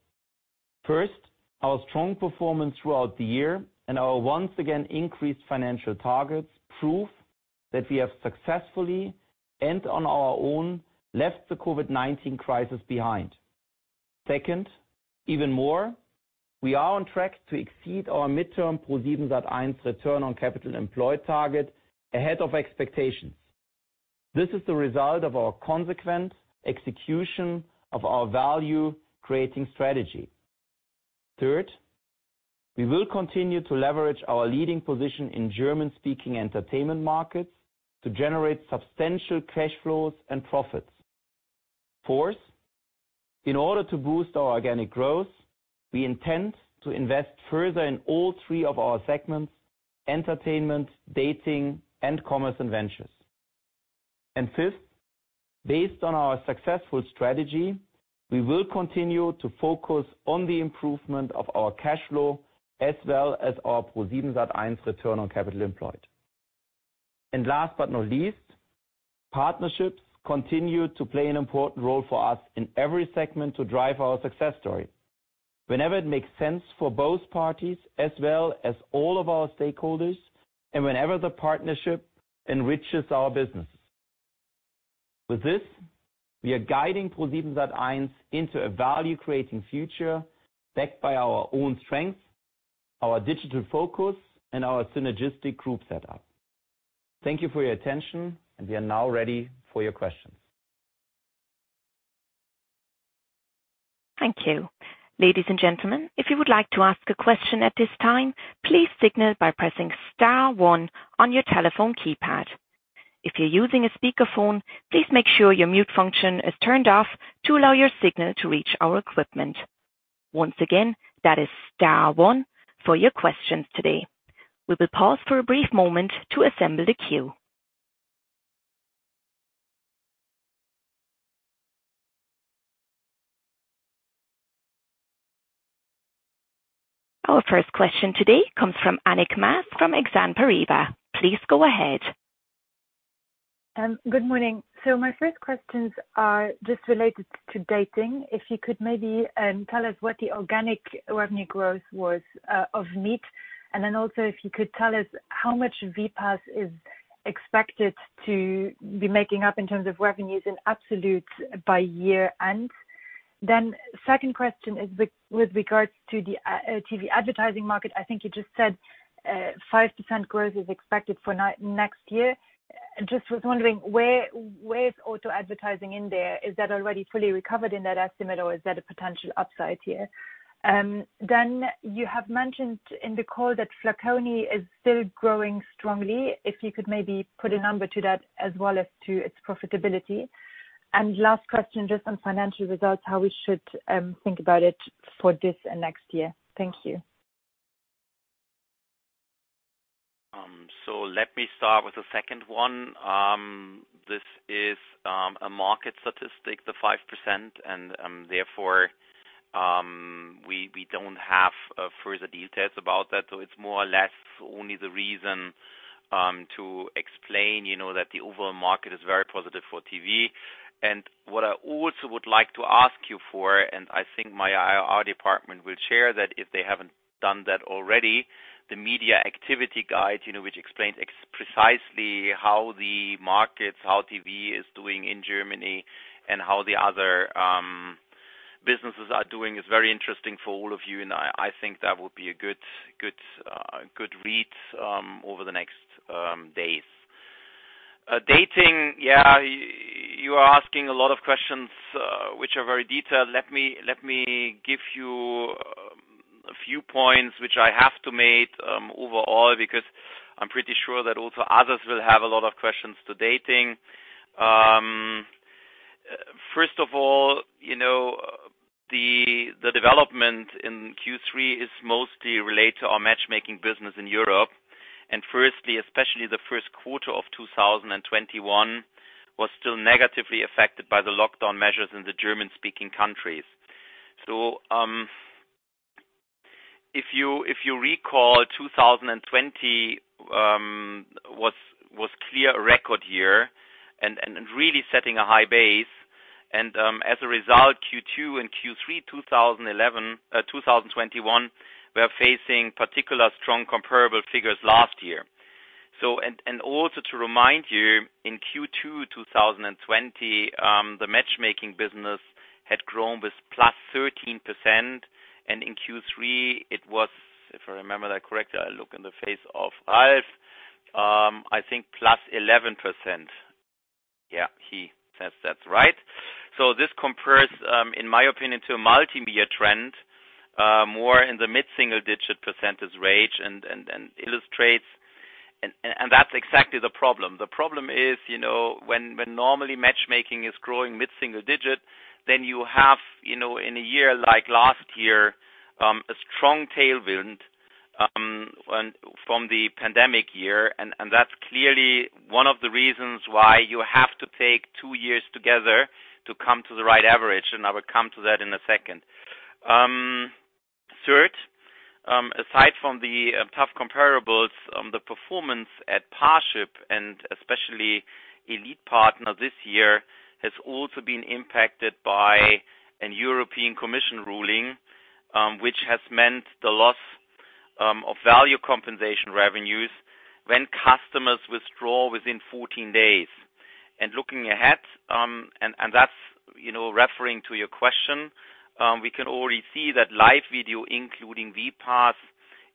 First, our strong performance throughout the year and our once again increased financial targets prove that we have successfully and on our own left the COVID-19 crisis behind. Second, even more, we are on track to exceed our midterm ProSiebenSat.1 return on capital employed target ahead of expectations. This is the result of our consequent execution of our value-creating strategy. Third, we will continue to leverage our leading position in German-speaking entertainment markets to generate substantial cash flows and profits. Fourth, in order to boost our organic growth, we intend to invest further in all three of our segments: entertainment, dating, and commerce and ventures. Fifth, based on our successful strategy, we will continue to focus on the improvement of our cash flow as well as our ProSiebenSat.1 return on capital employed. Last but not least, partnerships continue to play an important role for us in every segment to drive our success story. Whenever it makes sense for both parties as well as all of our stakeholders and whenever the partnership enriches our business. With this, we are guiding ProSiebenSat.1 into a value-creating future backed by our own strengths, our digital focus, and our synergistic group setup. Thank you for your attention, and we are now ready for your questions. Thank you. Ladies and gentlemen, if you would like to ask a question at this time, please signal by pressing star one on your telephone keypad. If you're using a speakerphone, please make sure your mute function is turned off to allow your signal to reach our equipment. Once again, that is star one for your questions today. We will pause for a brief moment to assemble the queue. Our first question today comes from Annick Maas from Exane BNP Paribas. Please go ahead. Good morning. My first questions are just related to dating. If you could maybe tell us what the organic revenue growth was of Meet, and then also if you could tell us how much VPAS is expected to be making up in terms of revenues in absolute by year-end. Second question is with regards to the TV advertising market. I think you just said 5% growth is expected for next year. Just was wondering where is auto advertising in there? Is that already fully recovered in that estimate, or is there a potential upside here? You have mentioned in the call that Flaconi is still growing strongly. If you could maybe put a number to that as well as to its profitability. Last question, just on financial results, how we should think about it for this and next year? Thank you. Let me start with the second one. This is a market statistic, the 5%, and therefore we don't have further details about that. It's more or less only the reason to explain, you know, that the overall market is very positive for TV. What I also would like to ask you for, and I think my IR department will share that if they haven't done that already, the Media Activity Guide, you know, which explains precisely how the markets, how TV is doing in Germany and how the other businesses are doing is very interesting for all of you. I think that would be a good read over the next days. Dating, yeah, you are asking a lot of questions which are very detailed. Let me give you a few points which I have to make overall, because I'm pretty sure that also others will have a lot of questions to dating. First of all, you know, the development in Q3 is mostly related to our matchmaking business in Europe. Firstly, especially the first quarter of 2021 was still negatively affected by the lockdown measures in the German-speaking countries. If you recall, 2020 was clearly a record year and really setting a high base. As a result, Q2 and Q3 2021, we are facing particularly strong comparable figures last year. To remind you, in Q2 2020, the matchmaking business had grown with +13%, and in Q3 it was, if I remember that correctly, I look in the face of Ralf Gierig, I think +11%. Yeah, he says that's right. This compares, in my opinion, to a multi-year trend, more in the mid-single digit percentage range and illustrates. That's exactly the problem. The problem is, you know, when normally matchmaking is growing mid-single digit, then you have, you know, in a year like last year, a strong tailwind and from the pandemic year. That's clearly one of the reasons why you have to take two years together to come to the right average, and I will come to that in a second. Aside from the tough comparables, the performance at Parship, and especially ElitePartner this year, has also been impacted by a European Commission ruling, which has meant the loss of value compensation revenues when customers withdraw within 14 days. Looking ahead, that's, you know, referring to your question, we can already see that live video, including vPaaS,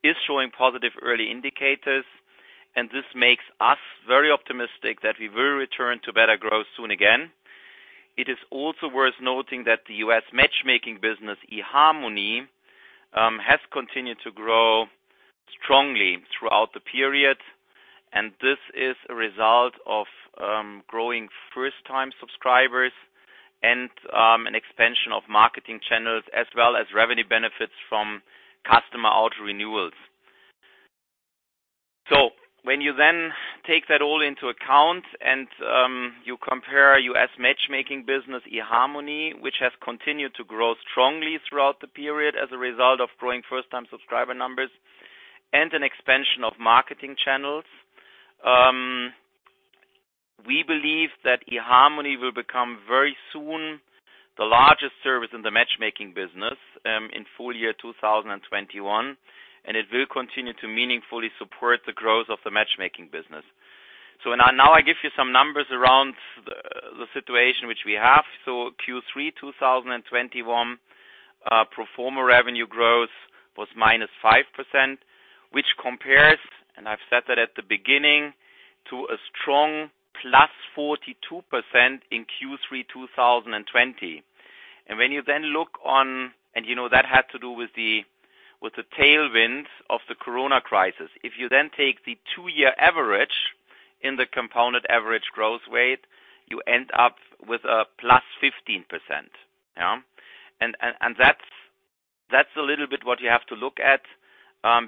is showing positive early indicators, and this makes us very optimistic that we will return to better growth soon again. It is also worth noting that the U.S. matchmaking business, eharmony, has continued to grow strongly throughout the period. This is a result of growing first-time subscribers and an expansion of marketing channels, as well as revenue benefits from customer auto renewals. When you then take that all into account and you compare U.S. matchmaking business, eHarmony, which has continued to grow strongly throughout the period as a result of growing first-time subscriber numbers and an expansion of marketing channels, we believe that eHarmony will become very soon the largest service in the matchmaking business, in full year 2021, and it will continue to meaningfully support the growth of the matchmaking business. Now I give you some numbers around the situation which we have. Q3 2021, pro forma revenue growth was -5%, which compares, and I've said that at the beginning, to a strong +42% in Q3 2020. When you then look on. You know, that had to do with the tailwind of the Corona crisis. If you then take the 2-year average in the compounded average growth rate, you end up with a +15%. Yeah. That's a little bit what you have to look at,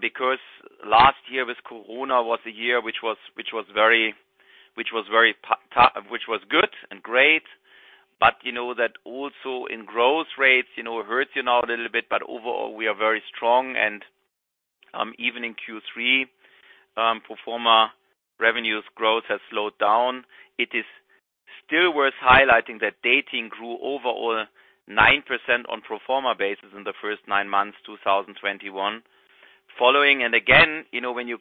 because last year with Corona was a year which was very good and great. You know that also in growth rates, you know, it hurts you now a little bit, but overall we are very strong. Even in Q3, pro forma revenues growth has slowed down. It is still worth highlighting that dating grew overall 9% on pro forma basis in the first nine months, 2021. Again, you know, when you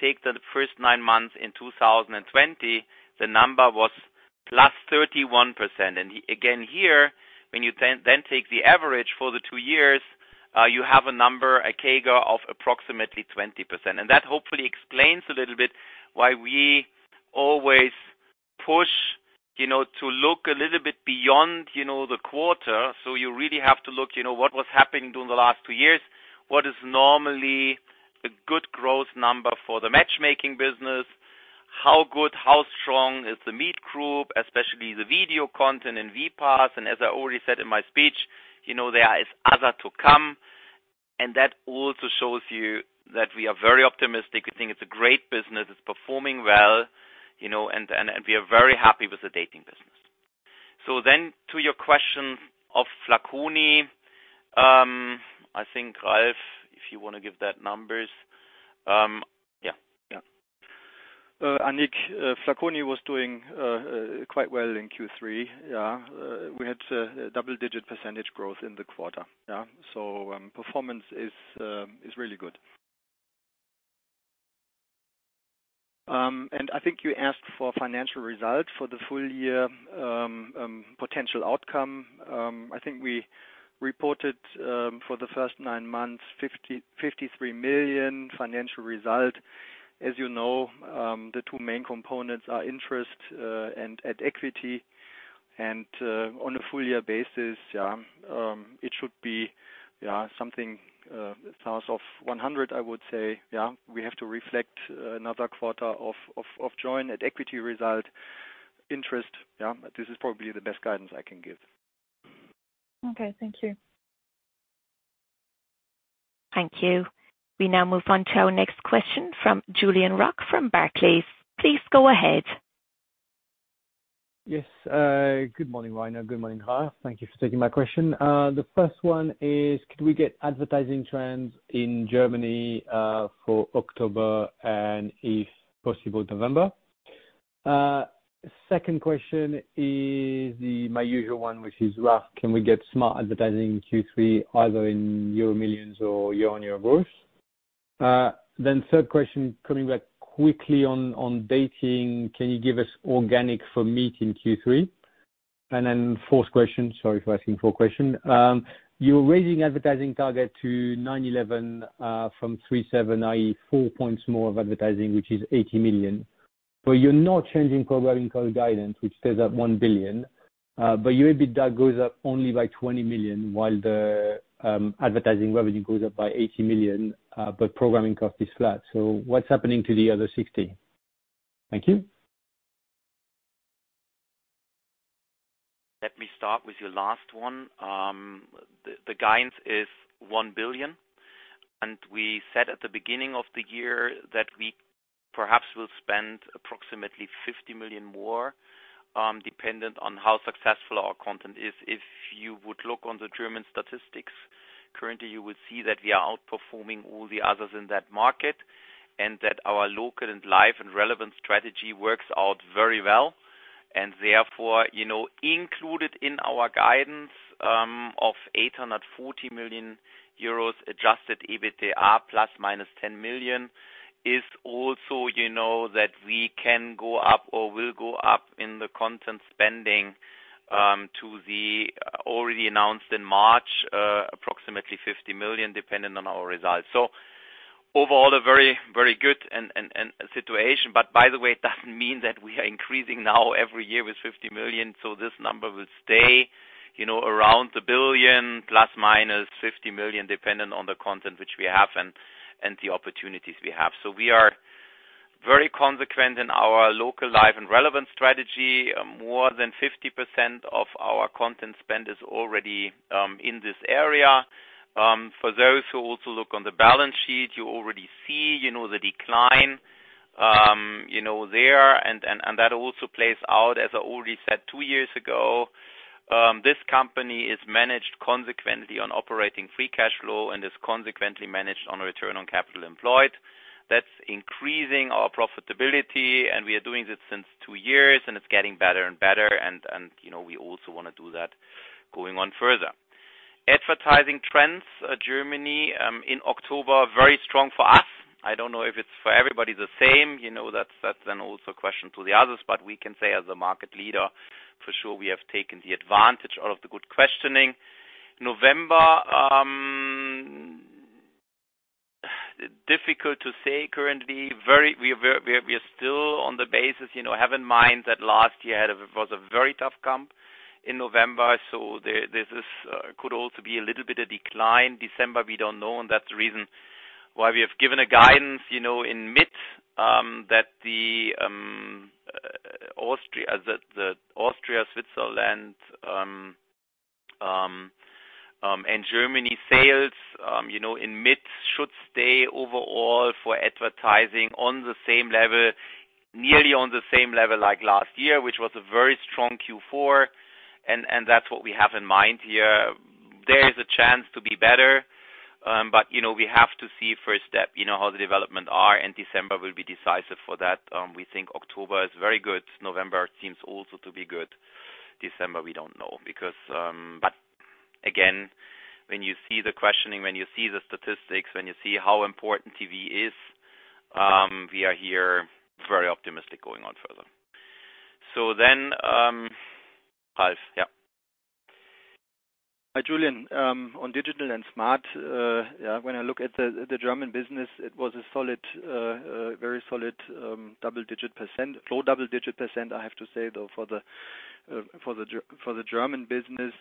take the first nine months in 2020, the number was +31%. Here, when you then take the average for the two years, you have a number, a CAGR of approximately 20%. That hopefully explains a little bit why we always push, you know, to look a little bit beyond, you know, the quarter. You really have to look, you know, what was happening during the last two years, what is normally a good growth number for the matchmaking business, how good, how strong is the Meet Group, especially the video content in vPaaS. As I already said in my speech, you know, there is more to come. That also shows you that we are very optimistic. We think it's a great business. It's performing well, you know, and we are very happy with the dating business. To your question of Flaconi, I think, Ralf, if you wanna give that numbers. Yeah. Annick, Flaconi was doing quite well in Q3. We had double-digit percentage growth in the quarter. Performance is really good. I think you asked for financial results for the full year, potential outcome. I think we reported for the first nine months, 53 million financial result. As you know, the two main components are interest and at-equity. On a full year basis, it should be something south of 100 million, I would say. We have to reflect another quarter of joint at-equity result and interest. This is probably the best guidance I can give. Okay. Thank you. Thank you. We now move on to our next question from Julien Roch from Barclays. Please go ahead. Yes. Good morning, Rainer. Good morning, Ralf. Thank you for taking my question. The first one is, could we get advertising trends in Germany for October and, if possible, November? Second question is my usual one, which is, Ralf, can we get smart advertising in Q3, either in millions euro or year-on-year growth? Then third question, coming back quickly on dating, can you give us organic for Meet in Q3? Then fourth question, sorry for asking four questions. You're raising advertising target to 9%-11% from 3%-7%, i.e. four points more of advertising, which is 80 million. You're not changing programming cap guidance, which stays at 1 billion. Your EBITDA goes up only by 20 million, while the advertising revenue goes up by 80 million, but programming cost is flat. What's happening to the other 60? Thank you. Let me start with your last one. The guidance is 1 billion. We said at the beginning of the year that we perhaps will spend approximately 50 million more, dependent on how successful our content is. If you would look on the German statistics, currently you would see that we are outperforming all the others in that market and that our local and live and relevant strategy works out very well. Therefore, you know, included in our guidance of 840 million euros, adjusted EBITDA ± 10 million, is also, you know, that we can go up or will go up in the content spending to the already announced in March approximately 50 million, depending on our results. Overall a very good situation. By the way, it doesn't mean that we are increasing now every year with 50 million. This number will stay, you know, around 1 billion ± 50 million, depending on the content which we have and the opportunities we have. We are very consistent in our local live and relevant strategy. More than 50% of our content spend is already in this area. For those who also look on the balance sheet, you already see, you know, the decline, you know, there. That also plays out, as I already said, two years ago, this company is managed consistently on operating free cash flow and is consistently managed on return on capital employed. That's increasing our profitability and we are doing it since two years and it's getting better and better and you know, we also wanna do that going on further. Advertising trends, Germany, in October, very strong for us. I don't know if it's for everybody the same. You know, that's an also question to the others. But we can say as a market leader, for sure, we have taken the advantage out of the good questioning. November, difficult to say currently. We are still on the basis, you know. Have in mind that last year was a very tough comp in November, so there this could also be a little bit of decline. December, we don't know, and that's the reason why we have given a guidance, you know, in mid, that the Austria, Switzerland, and Germany sales, you know, in mid, should stay overall for advertising on the same level, nearly on the same level like last year, which was a very strong Q4, and that's what we have in mind here. There is a chance to be better, but, you know, we have to see first step, you know, how the development are, and December will be decisive for that. We think October is very good. November seems also to be good. December, we don't know. Because, but again, when you see the questioning, when you see the statistics, when you see how important TV is, we are here very optimistic going on further. Hi, Julian. On digital and smart, when I look at the German business, it was a solid, very solid, double-digit percentage. Low double-digit percentage, I have to say, though, for the German business.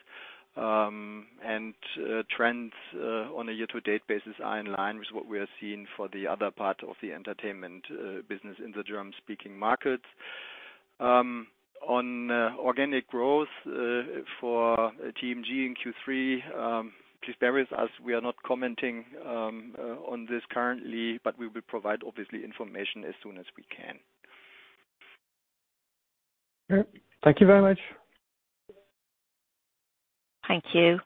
Trends on a year-to-date basis are in line with what we are seeing for the other part of the entertainment business in the German-speaking markets. On organic growth for TMG in Q3, please bear with us, we are not commenting on this currently, but we will provide, obviously, information as soon as we can. Okay. Thank you very much. Thank you.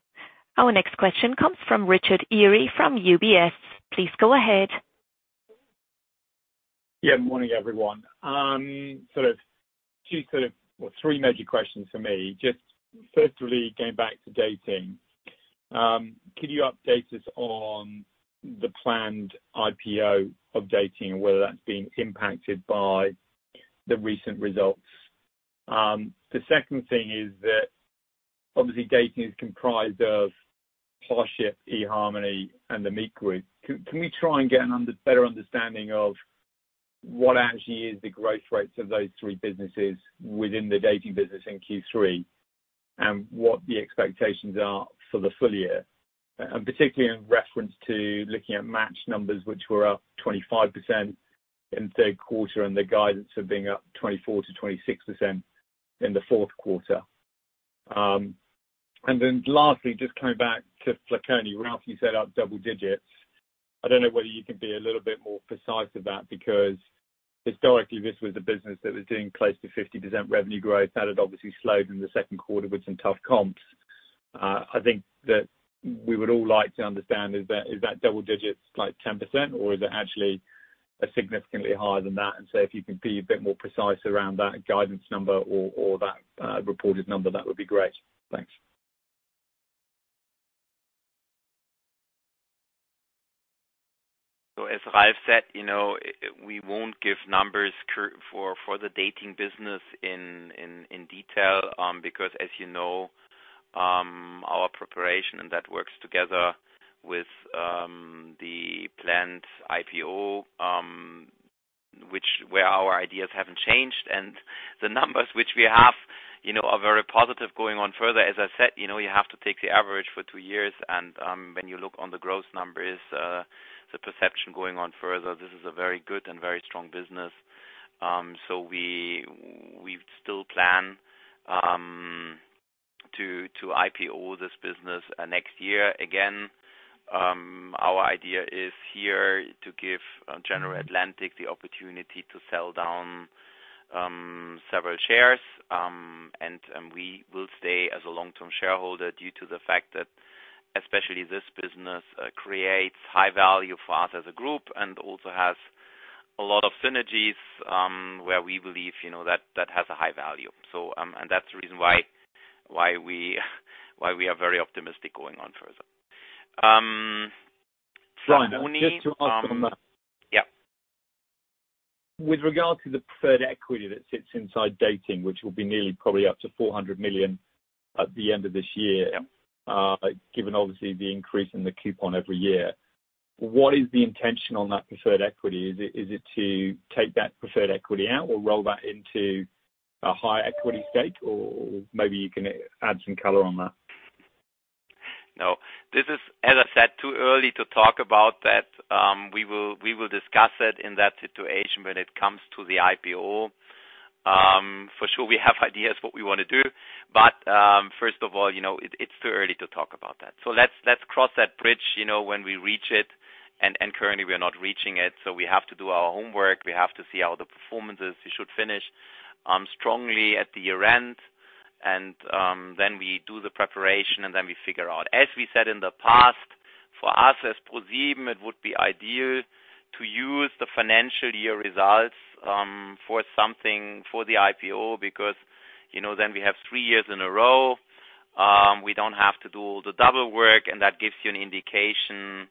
Our next question comes from Richard Eary from UBS. Please go ahead. Yeah. Good morning, everyone. Three major questions for me. Just firstly, going back to dating, can you update us on the planned IPO of dating and whether that's been impacted by the recent results? The second thing is that obviously dating is comprised of Parship, eharmony, and The Meet Group. Can we try and get a better understanding of what actually is the growth rates of those three businesses within the dating business in Q3, and what the expectations are for the full year? Particularly in reference to looking at Match numbers, which were up 25% in the third quarter and the guidance of being up 24%-26% in the fourth quarter. Then lastly, just coming back to Flaconi. Ralf, you said up double digits. I don't know whether you can be a little bit more precise with that, because historically, this was a business that was doing close to 50% revenue growth. That had obviously slowed in the second quarter with some tough comps. I think that we would all like to understand is that, is that double digits like 10% or is it actually significantly higher than that? If you can be a bit more precise around that guidance number or that reported number, that would be great. Thanks. As Ralf said, you know, we won't give numbers for the dating business in detail, because as you know, our preparation and that works together with the planned IPO, which where our ideas haven't changed. The numbers which we have, you know, are very positive going on further. As I said, you know, you have to take the average for two years and when you look on the growth numbers, the perception going on further, this is a very good and very strong business. We still plan to IPO this business next year. Again, our idea is here to give General Atlantic the opportunity to sell down several shares. We will stay as a long-term shareholder due to the fact that especially this business creates high value for us as a group and also has a lot of synergies, where we believe, you know, that that has a high value. That's the reason why we are very optimistic going on further. Flaconi, Just to ask on that. With regard to the preferred equity that sits inside dating, which will be nearly probably up to 400 million at the end of this year. Given obviously the increase in the coupon every year, what is the intention on that preferred equity? Is it to take that preferred equity out or roll that into a high equity stake? Or maybe you can add some color on that. No, this is, as I said, too early to talk about that. We will discuss it in that situation when it comes to the IPO. For sure, we have ideas what we want to do, but first of all, you know, it's too early to talk about that. So let's cross that bridge, you know, when we reach it and currently we are not reaching it, so we have to do our homework. We have to see how the performance is. We should finish strongly at the year-end and then we do the preparation, and then we figure out. As we said in the past, for us as ProSieben, it would be ideal to use the financial year results for something for the IPO because, you know, then we have three years in a row. We don't have to do the double work, and that gives you an indication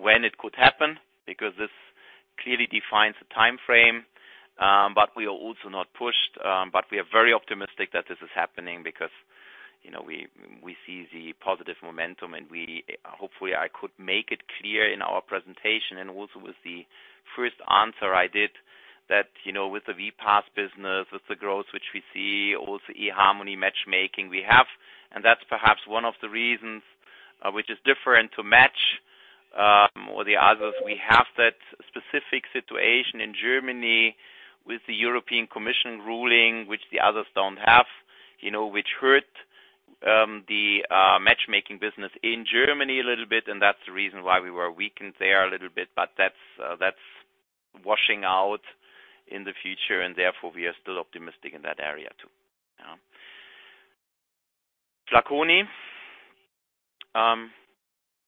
when it could happen, because this clearly defines the time frame. But we are also not pushed, but we are very optimistic that this is happening because, you know, we see the positive momentum, and hopefully I could make it clear in our presentation and also with the first answer I did that, you know, with the VPAS business, with the growth which we see, also eharmony matchmaking we have. That's perhaps one of the reasons which is different to match or the others. We have that specific situation in Germany with the European Commission ruling, which the others don't have, you know, which hurt the matchmaking business in Germany a little bit, and that's the reason why we were weakened there a little bit. That's washing out in the future and therefore we are still optimistic in that area too. Flaconi,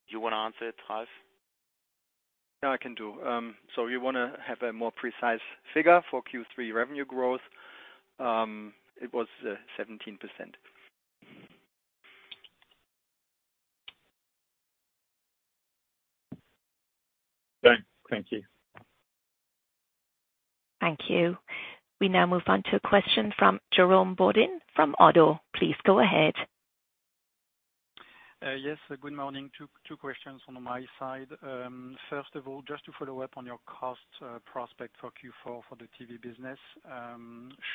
you want to answer it, Ralf? Yeah, I can do. You want to have a more precise figure for Q3 revenue growth? It was 17%. Great. Thank you. Thank you. We now move on to a question from Jérôme Bodin from Oddo BHF. Please go ahead. Yes, good morning. Two questions on my side. First of all, just to follow up on your cost prospect for Q4 for the TV business,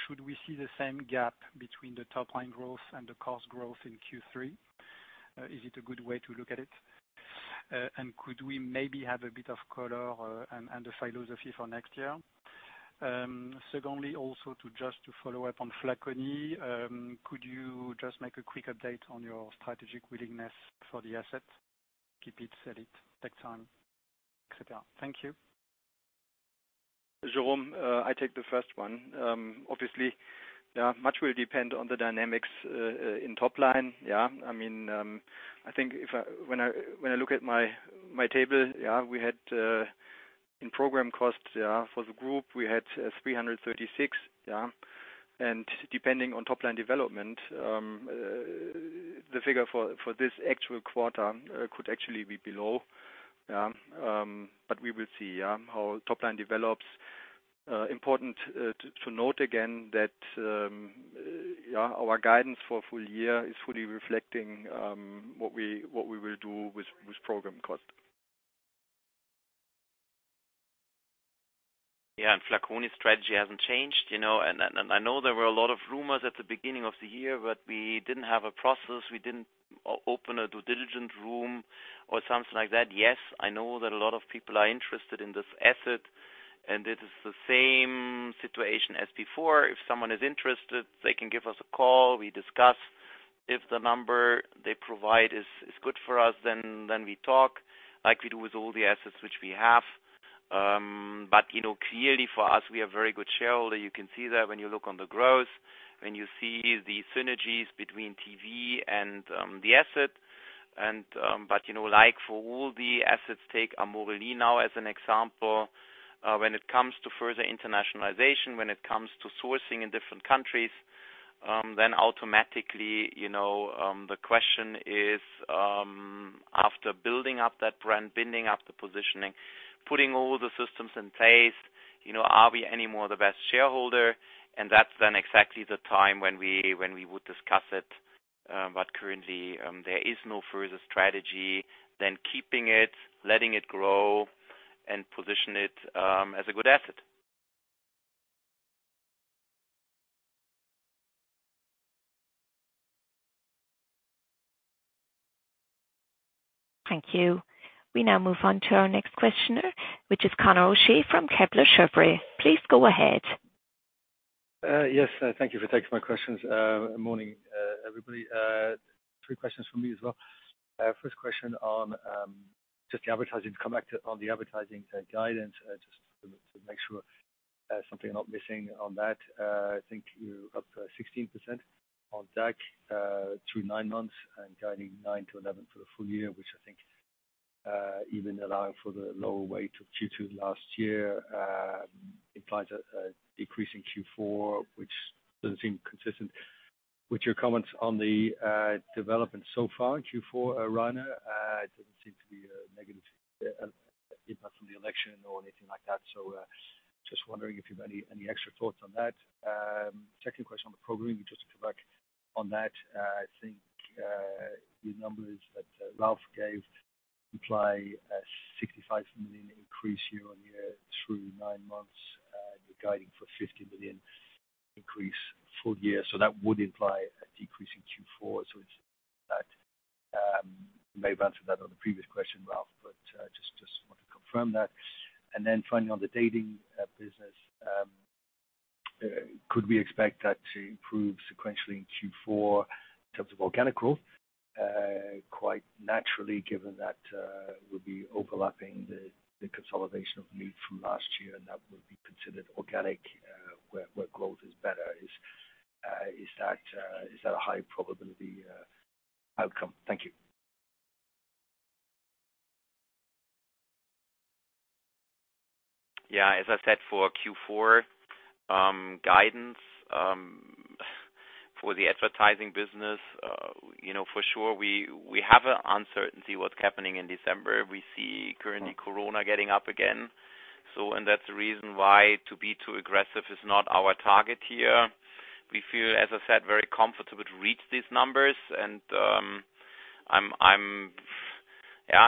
should we see the same gap between the top-line growth and the cost growth in Q3? Is it a good way to look at it? And could we maybe have a bit of color and the philosophy for next year? Secondly, also just to follow up on Flaconi, could you just make a quick update on your strategic willingness for the asset? Keep it, sell it, take time, etc. Thank you. Jérôme, I take the first one. Obviously, much will depend on the dynamics in top line. I mean, I think when I look at my table, we had in program costs for the group 336. Depending on top-line development, the figure for this actual quarter could actually be below. We will see how top line develops. Important to note again that our guidance for full year is fully reflecting what we will do with program cost. Yeah, Flaconi strategy hasn't changed, you know. I know there were a lot of rumors at the beginning of the year, but we didn't have a process. We didn't open a due diligence room or something like that. Yes, I know that a lot of people are interested in this asset, and it is the same situation as before. If someone is interested, they can give us a call. We discuss. If the number they provide is good for us, then we talk like we do with all the assets which we have. You know, clearly for us, we are a very good shareholder. You can see that when you look on the growth, when you see the synergies between TV and the asset. You know, like for all the assets, take Amorelie now as an example, when it comes to further internationalization, when it comes to sourcing in different countries, then automatically, you know, the question is, after building up that brand, building up the positioning, putting all the systems in place, you know, are we any more the best shareholder? That's then exactly the time when we would discuss it. Currently, there is no further strategy than keeping it, letting it grow, and position it as a good asset. Thank you. We now move on to our next questioner, which is Conor O'Shea from Kepler Cheuvreux. Please go ahead. Yes, thank you for taking my questions. Morning, everybody. Three questions from me as well. First question on just the advertising, to come back to on the advertising guidance, just to make sure something I'm not missing on that. I think you're up 16% on DACH through nine months and guiding 9%-11% for the full year, which I think even allowing for the lower weight of Q2 last year implies a decrease in Q4, which doesn't seem consistent with your comments on the development so far in Q4, Rainer. It didn't seem to be a negative impact from the election or anything like that. Just wondering if you have any extra thoughts on that. Second question on the programming, just to come back on that. I think the numbers that Ralf gave imply a 65 million increase year-over-year through nine months. You're guiding for 50 million increase full year. That would imply a decrease in Q4. It's that, you may have answered that on the previous question, Ralf, but just want to confirm that. Then finally, on the dating business, could we expect that to improve sequentially in Q4 in terms of organic growth? Quite naturally, given that we'll be overlapping the consolidation of The Meet Group from last year, and that will be considered organic where growth is better. Is that a high probability outcome? Thank you. Yeah. As I said, for Q4 guidance for the advertising business, you know, for sure we have an uncertainty what's happening in December. We see currently Corona getting up again, and that's the reason why to be too aggressive is not our target here. We feel, as I said, very comfortable to reach these numbers. Yeah,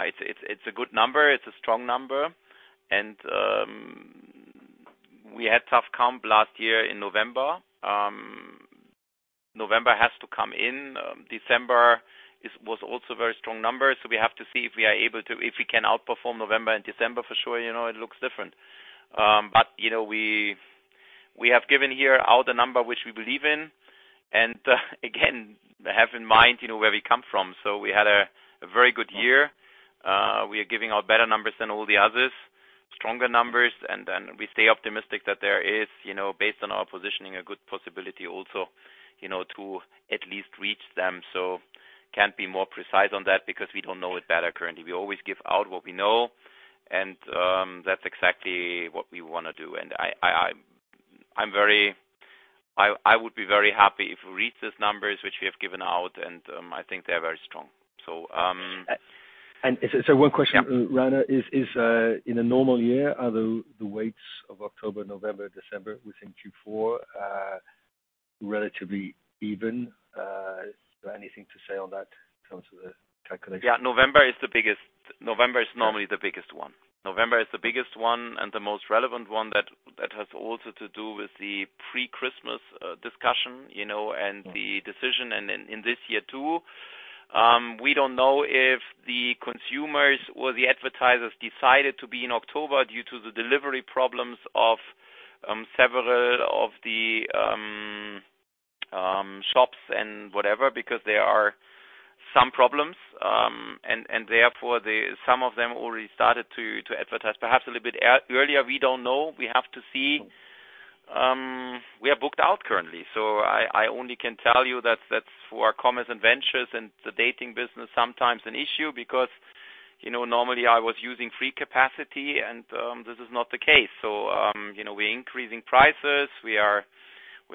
it's a good number. It's a strong number. We had tough comp last year in November. November has to come in. December was also very strong numbers, so we have to see if we are able to. If we can outperform November and December, for sure, you know, it looks different. But, you know, we have given here out a number which we believe in, and again, have in mind, you know, where we come from. We had a very good year. We are giving out better numbers than all the others, stronger numbers. We stay optimistic that there is, you know, based on our positioning, a good possibility also, you know, to at least reach them. Can't be more precise on that because we don't know it better currently. We always give out what we know, and that's exactly what we wanna do. I would be very happy if we reach these numbers which we have given out, and I think they are very strong. One question. Rainer. In a normal year, are the weights of October, November, December within Q4 relatively even? Is there anything to say on that in terms of the calculation? Yeah. November is the biggest. November is normally the biggest one. November is the biggest one and the most relevant one that has also to do with the pre-Christmas discussion, you know, and the season and in this year too. We don't know if the consumers or the advertisers decided to buy in October due to the delivery problems of several of the shops and whatever, because there are some problems. Therefore, some of them already started to advertise perhaps a little bit earlier. We don't know. We have to see. We are booked out currently, so I only can tell you that that's for our commerce and ventures and the dating business, sometimes an issue because, you know, normally I was using free capacity and this is not the case. You know, we're increasing prices. We are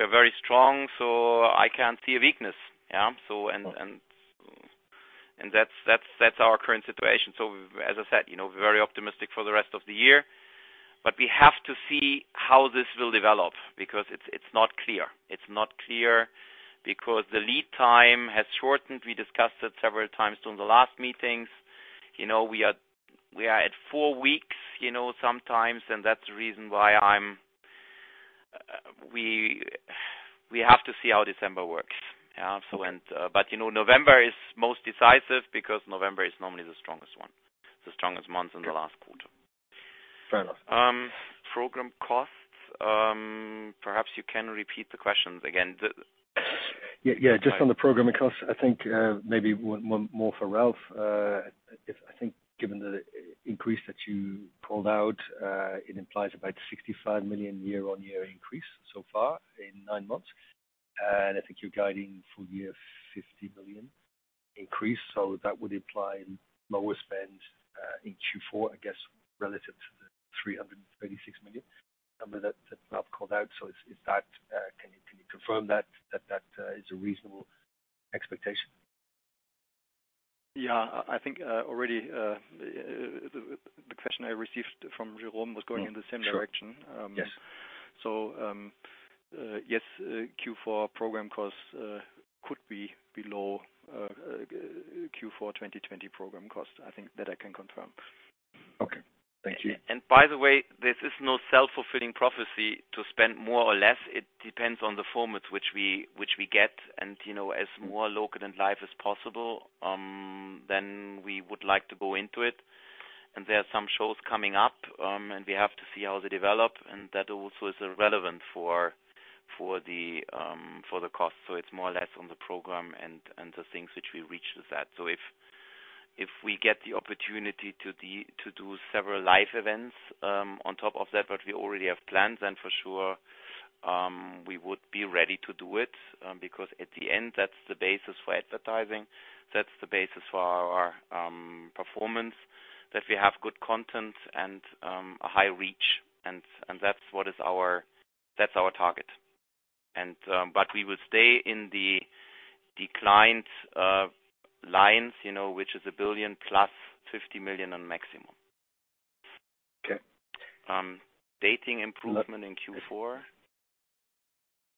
very strong, so I can't see a weakness. Yeah. That's our current situation. As I said, you know, very optimistic for the rest of the year, but we have to see how this will develop because it's not clear because the lead time has shortened. We discussed it several times during the last meetings. You know, we are at four weeks, you know, sometimes, and that's the reason why we have to see how December works. November is most decisive because November is normally the strongest month in the last quarter. Fair enough. Program costs. Perhaps you can repeat the questions again. Yeah, yeah. Just on the programming costs, I think, maybe one more for Ralf. I think given the increase that you called out, it implies about 65 million year-on-year increase so far in nine months. I think you're guiding full year 50 million increase. That would imply lower spend in Q4, I guess, relative to the 336 million number that Ralf called out. Is that can you confirm that that is a reasonable expectation? Yeah. I think already the question I received from Jérôme was going in the same direction. Yes, Q4 program costs could be below Q4 2020 program costs. I think that I can confirm. Okay. Thank you. By the way, this is no self-fulfilling prophecy to spend more or less. It depends on the formats which we get and, you know, as more local than life as possible, then we would like to go into it. There are some shows coming up, and we have to see how they develop, and that also is relevant for the cost. It's more or less on the program and the things which we reach with that. If we get the opportunity to do several live events on top of what we already have planned, then for sure we would be ready to do it, because at the end that's the basis for advertising, that's the basis for our performance, that we have good content and a high reach, and that's our target. But we will stay in the defined lines, you know, which is 1 billion + 50 million at maximum. Okay. Dating improvement in Q4.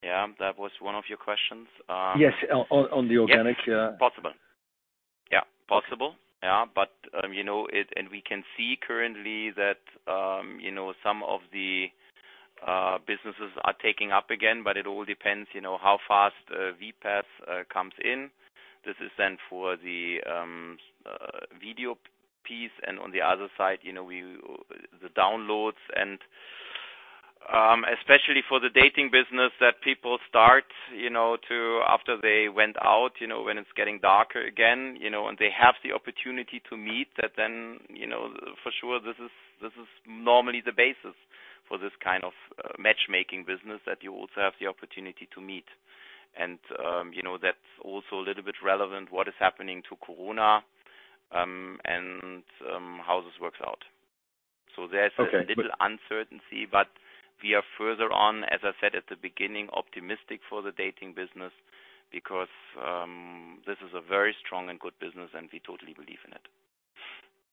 Yeah, that was one of your questions. Yes. On the organic. Yeah. Yes. Possible. Yeah. But you know, we can see currently that you know, some of the businesses are taking up again, but it all depends, you know, how fast vPaaS comes in. This is then for the video piece. On the other side, you know, the downloads and especially for the dating business that people start, you know, after they went out, you know, when it's getting darker again, you know, and they have the opportunity to meet that, then, you know, for sure this is normally the basis for this kind of matchmaking business that you also have the opportunity to meet. You know, that's also a little bit relevant what is happening to Corona and how this works out. A little uncertainty. We are further on, as I said at the beginning, optimistic for the dating business because this is a very strong and good business and we totally believe in it.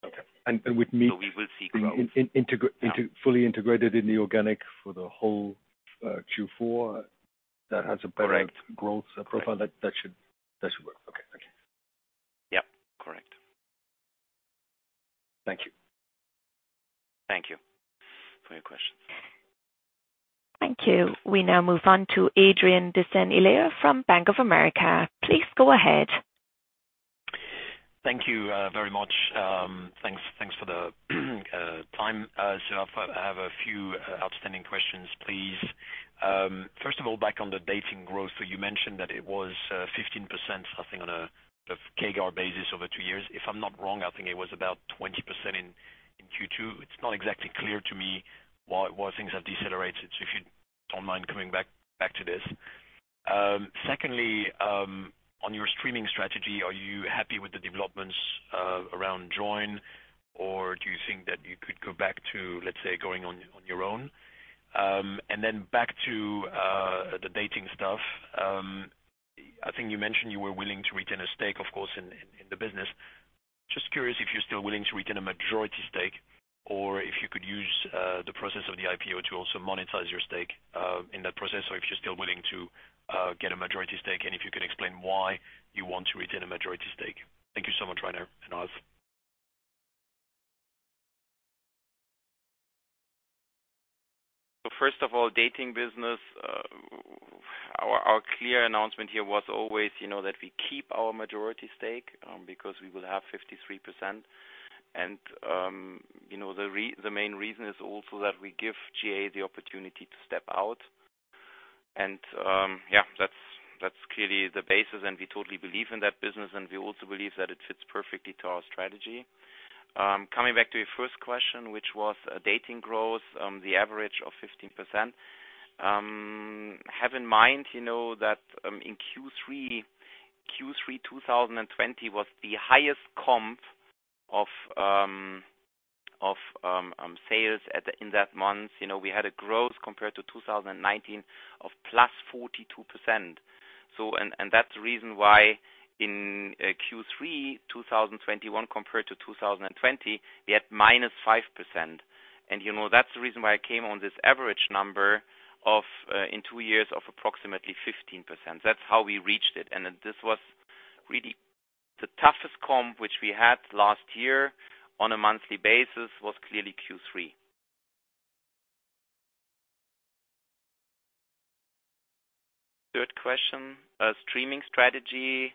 Okay. With The Meet Group fully integrated in the organic for the whole Q4, that has a better hrowth profile. That should work. Okay. Thank you. Yep. Correct. Thank you. Thank you for your question. Thank you. We now move on to Adrien de Saint Hilaire from Bank of America. Please go ahead. Thank you, very much. Thanks for the time. I have a few outstanding questions, please. First of all, back on the dating growth. You mentioned that it was 15% I think on a CAGR basis over two years. If I'm not wrong, I think it was about 20% in Q2. It's not exactly clear to me why things have decelerated. If you don't mind coming back to this. Secondly, on your streaming strategy, are you happy with the developments around Joyn, or do you think that you could go back to, let's say, going on your own? Back to the dating stuff. I think you mentioned you were willing to retain a stake, of course, in the business. Just curious if you're still willing to retain a majority stake or if you could use the process of the IPO to also monetize your stake in that process, or if you're still willing to get a majority stake, and if you can explain why you want to retain a majority stake. Thank you so much, Rainer Beaujean and Ralf Gierig. First of all, dating business, our clear announcement here was always, you know, that we keep our majority stake, because we will have 53%. The main reason is also that we give GA the opportunity to step out. Yeah, that's clearly the basis, and we totally believe in that business, and we also believe that it fits perfectly to our strategy. Coming back to your first question, which was, dating growth, the average of 15%. Have in mind, you know, that, in Q3 2020 was the highest comp of sales in that month. You know, we had a growth compared to 2019 of +42%. That's the reason why in Q3 2021 compared to 2020, we had -5%. You know, that's the reason why I came on this average number of in two years of approximately 15%. That's how we reached it. This was really the toughest comp which we had last year on a monthly basis was clearly Q3. Third question, streaming strategy.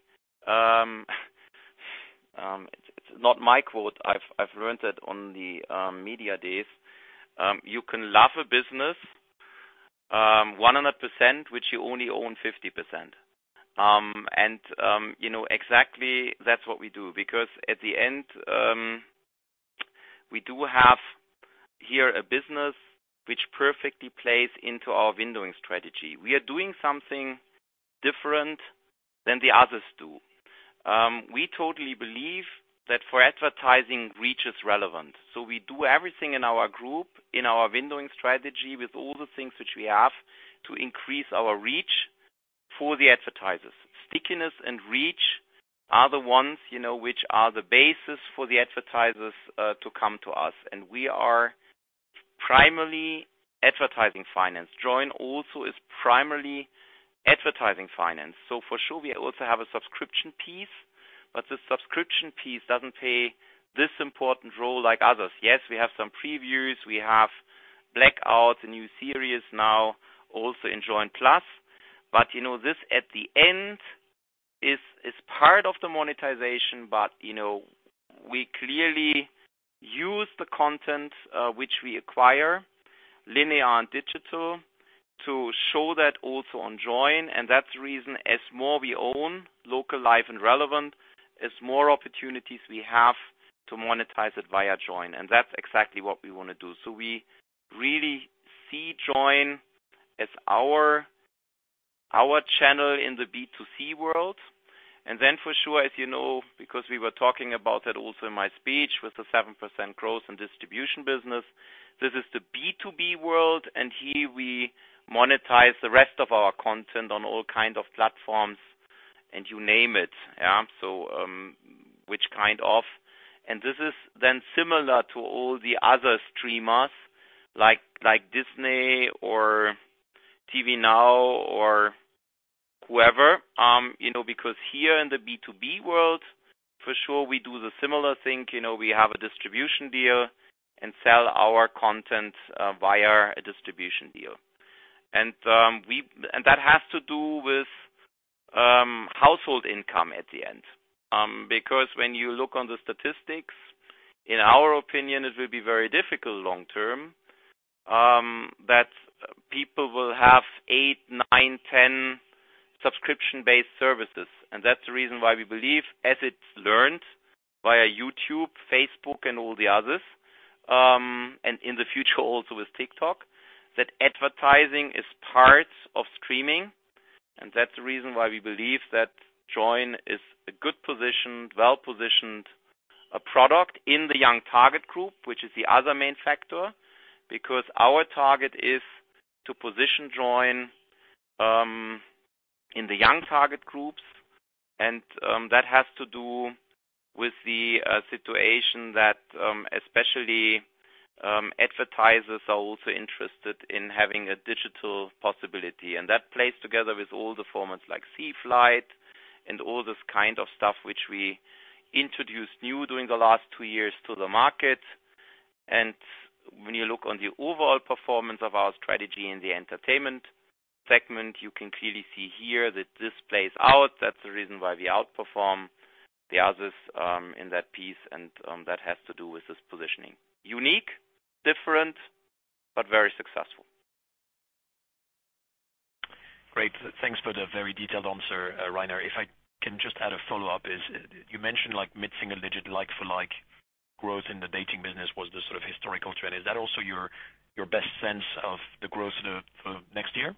It's not my quote. I've learned it on the media days. You can love a business 100%, which you only own 50%. You know exactly that's what we do, because at the end, we do have here a business which perfectly plays into our windowing strategy. We are doing something different than the others do. We totally believe that for advertising, reach is relevant. We do everything in our group, in our windowing strategy with all the things which we have to increase our reach for the advertisers. Stickiness and reach are the ones, you know, which are the basis for the advertisers to come to us. We are primarily advertising financed. Joyn also is primarily advertising financed. For sure we also have a subscription piece, but the subscription piece doesn't play this important role like others. Yes, we have some previews. We have Blackout, a new series now also in Joyn+. You know, this at the end is part of the monetization, but you know, we clearly use the content which we acquire linear and digital to show that also on Joyn. That's the reason the more we own local, live and relevant, the more opportunities we have to monetize it via Joyn, and that's exactly what we wanna do. We really see Joyn as our channel in the B2C world. Then for sure, as you know, because we were talking about that also in my speech with the 7% growth and distribution business, this is the B2B world, and here we monetize the rest of our content on all kinds of platforms, and you name it. This is then similar to all the other streamers like Disney or TVNOW or whoever, you know, because here in the B2B world, for sure, we do a similar thing. You know, we have a distribution deal and sell our content via a distribution deal. That has to do with household income at the end. Because when you look on the statistics, in our opinion, it will be very difficult long term that people will have eight, nine, 10 subscription-based services. That's the reason why we believe as it's learned via YouTube, Facebook, and all the others, and in the future also with TikTok, that advertising is part of streaming. That's the reason why we believe that Joyn is a good position, well-positioned product in the young target group, which is the other main factor. Because our target is to position Joyn in the young target groups. That has to do with the situation that especially advertisers are also interested in having a digital possibility. That plays together with all the formats like CFlight and all this kind of stuff which we introduced new during the last two years to the market. When you look on the overall performance of our strategy in the entertainment segment, you can clearly see here that this plays out. That's the reason why we outperform the others in that piece, and that has to do with this positioning. Unique, different, but very successful. Great. Thanks for the very detailed answer, Rainer. If I can just add a follow-up is, you mentioned like mid-single digit like for like growth in the dating business was the sort of historical trend. Is that also your best sense of the growth for the next year?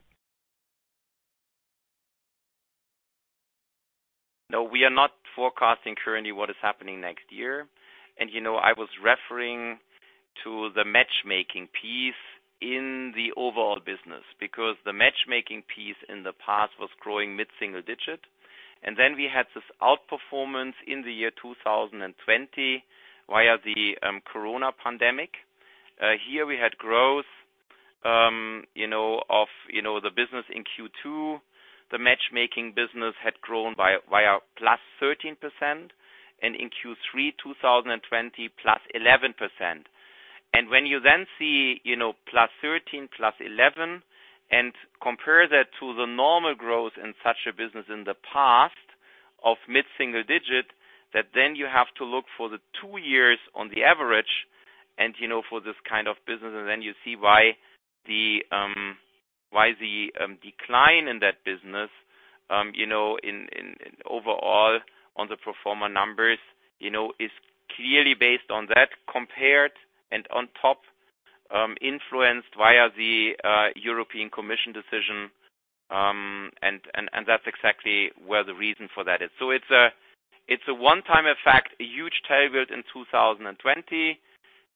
No, we are not forecasting currently what is happening next year. You know, I was referring to the matchmaking piece in the overall business because the matchmaking piece in the past was growing mid-single digit. We had this outperformance in the year 2020 via the corona pandemic. Here we had growth, you know, of the business in Q2, the matchmaking business had grown via +13% and in Q3 2020 +11%. When you then see, you know, +13%, +11% and compare that to the normal growth in such a business in the past of mid-single-digit, that then you have to look for the two-year average and, you know, for this kind of business, and then you see why the decline in that business, you know, in overall on the pro forma numbers, you know, is clearly based on that compared and on top, influenced via the European Commission decision. And that's exactly where the reason for that is. It's a one-time effect, a huge tail built in 2020,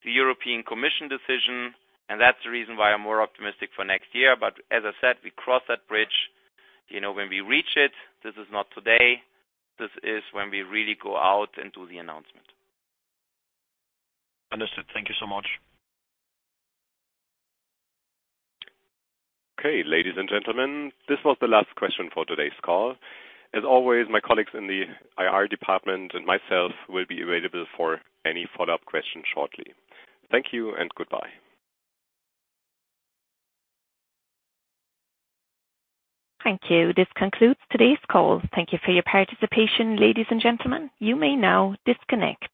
the European Commission decision, and that's the reason why I'm more optimistic for next year. As I said, we cross that bridge, you know, when we reach it. This is not today. This is when we really go out and do the announcement. Understood. Thank you so much. Okay. Ladies and gentlemen, this was the last question for today's call. As always, my colleagues in the IR department and myself will be available for any follow-up questions shortly. Thank you and goodbye. Thank you. This concludes today's call. Thank you for your participation, ladies and gentlemen. You may now disconnect.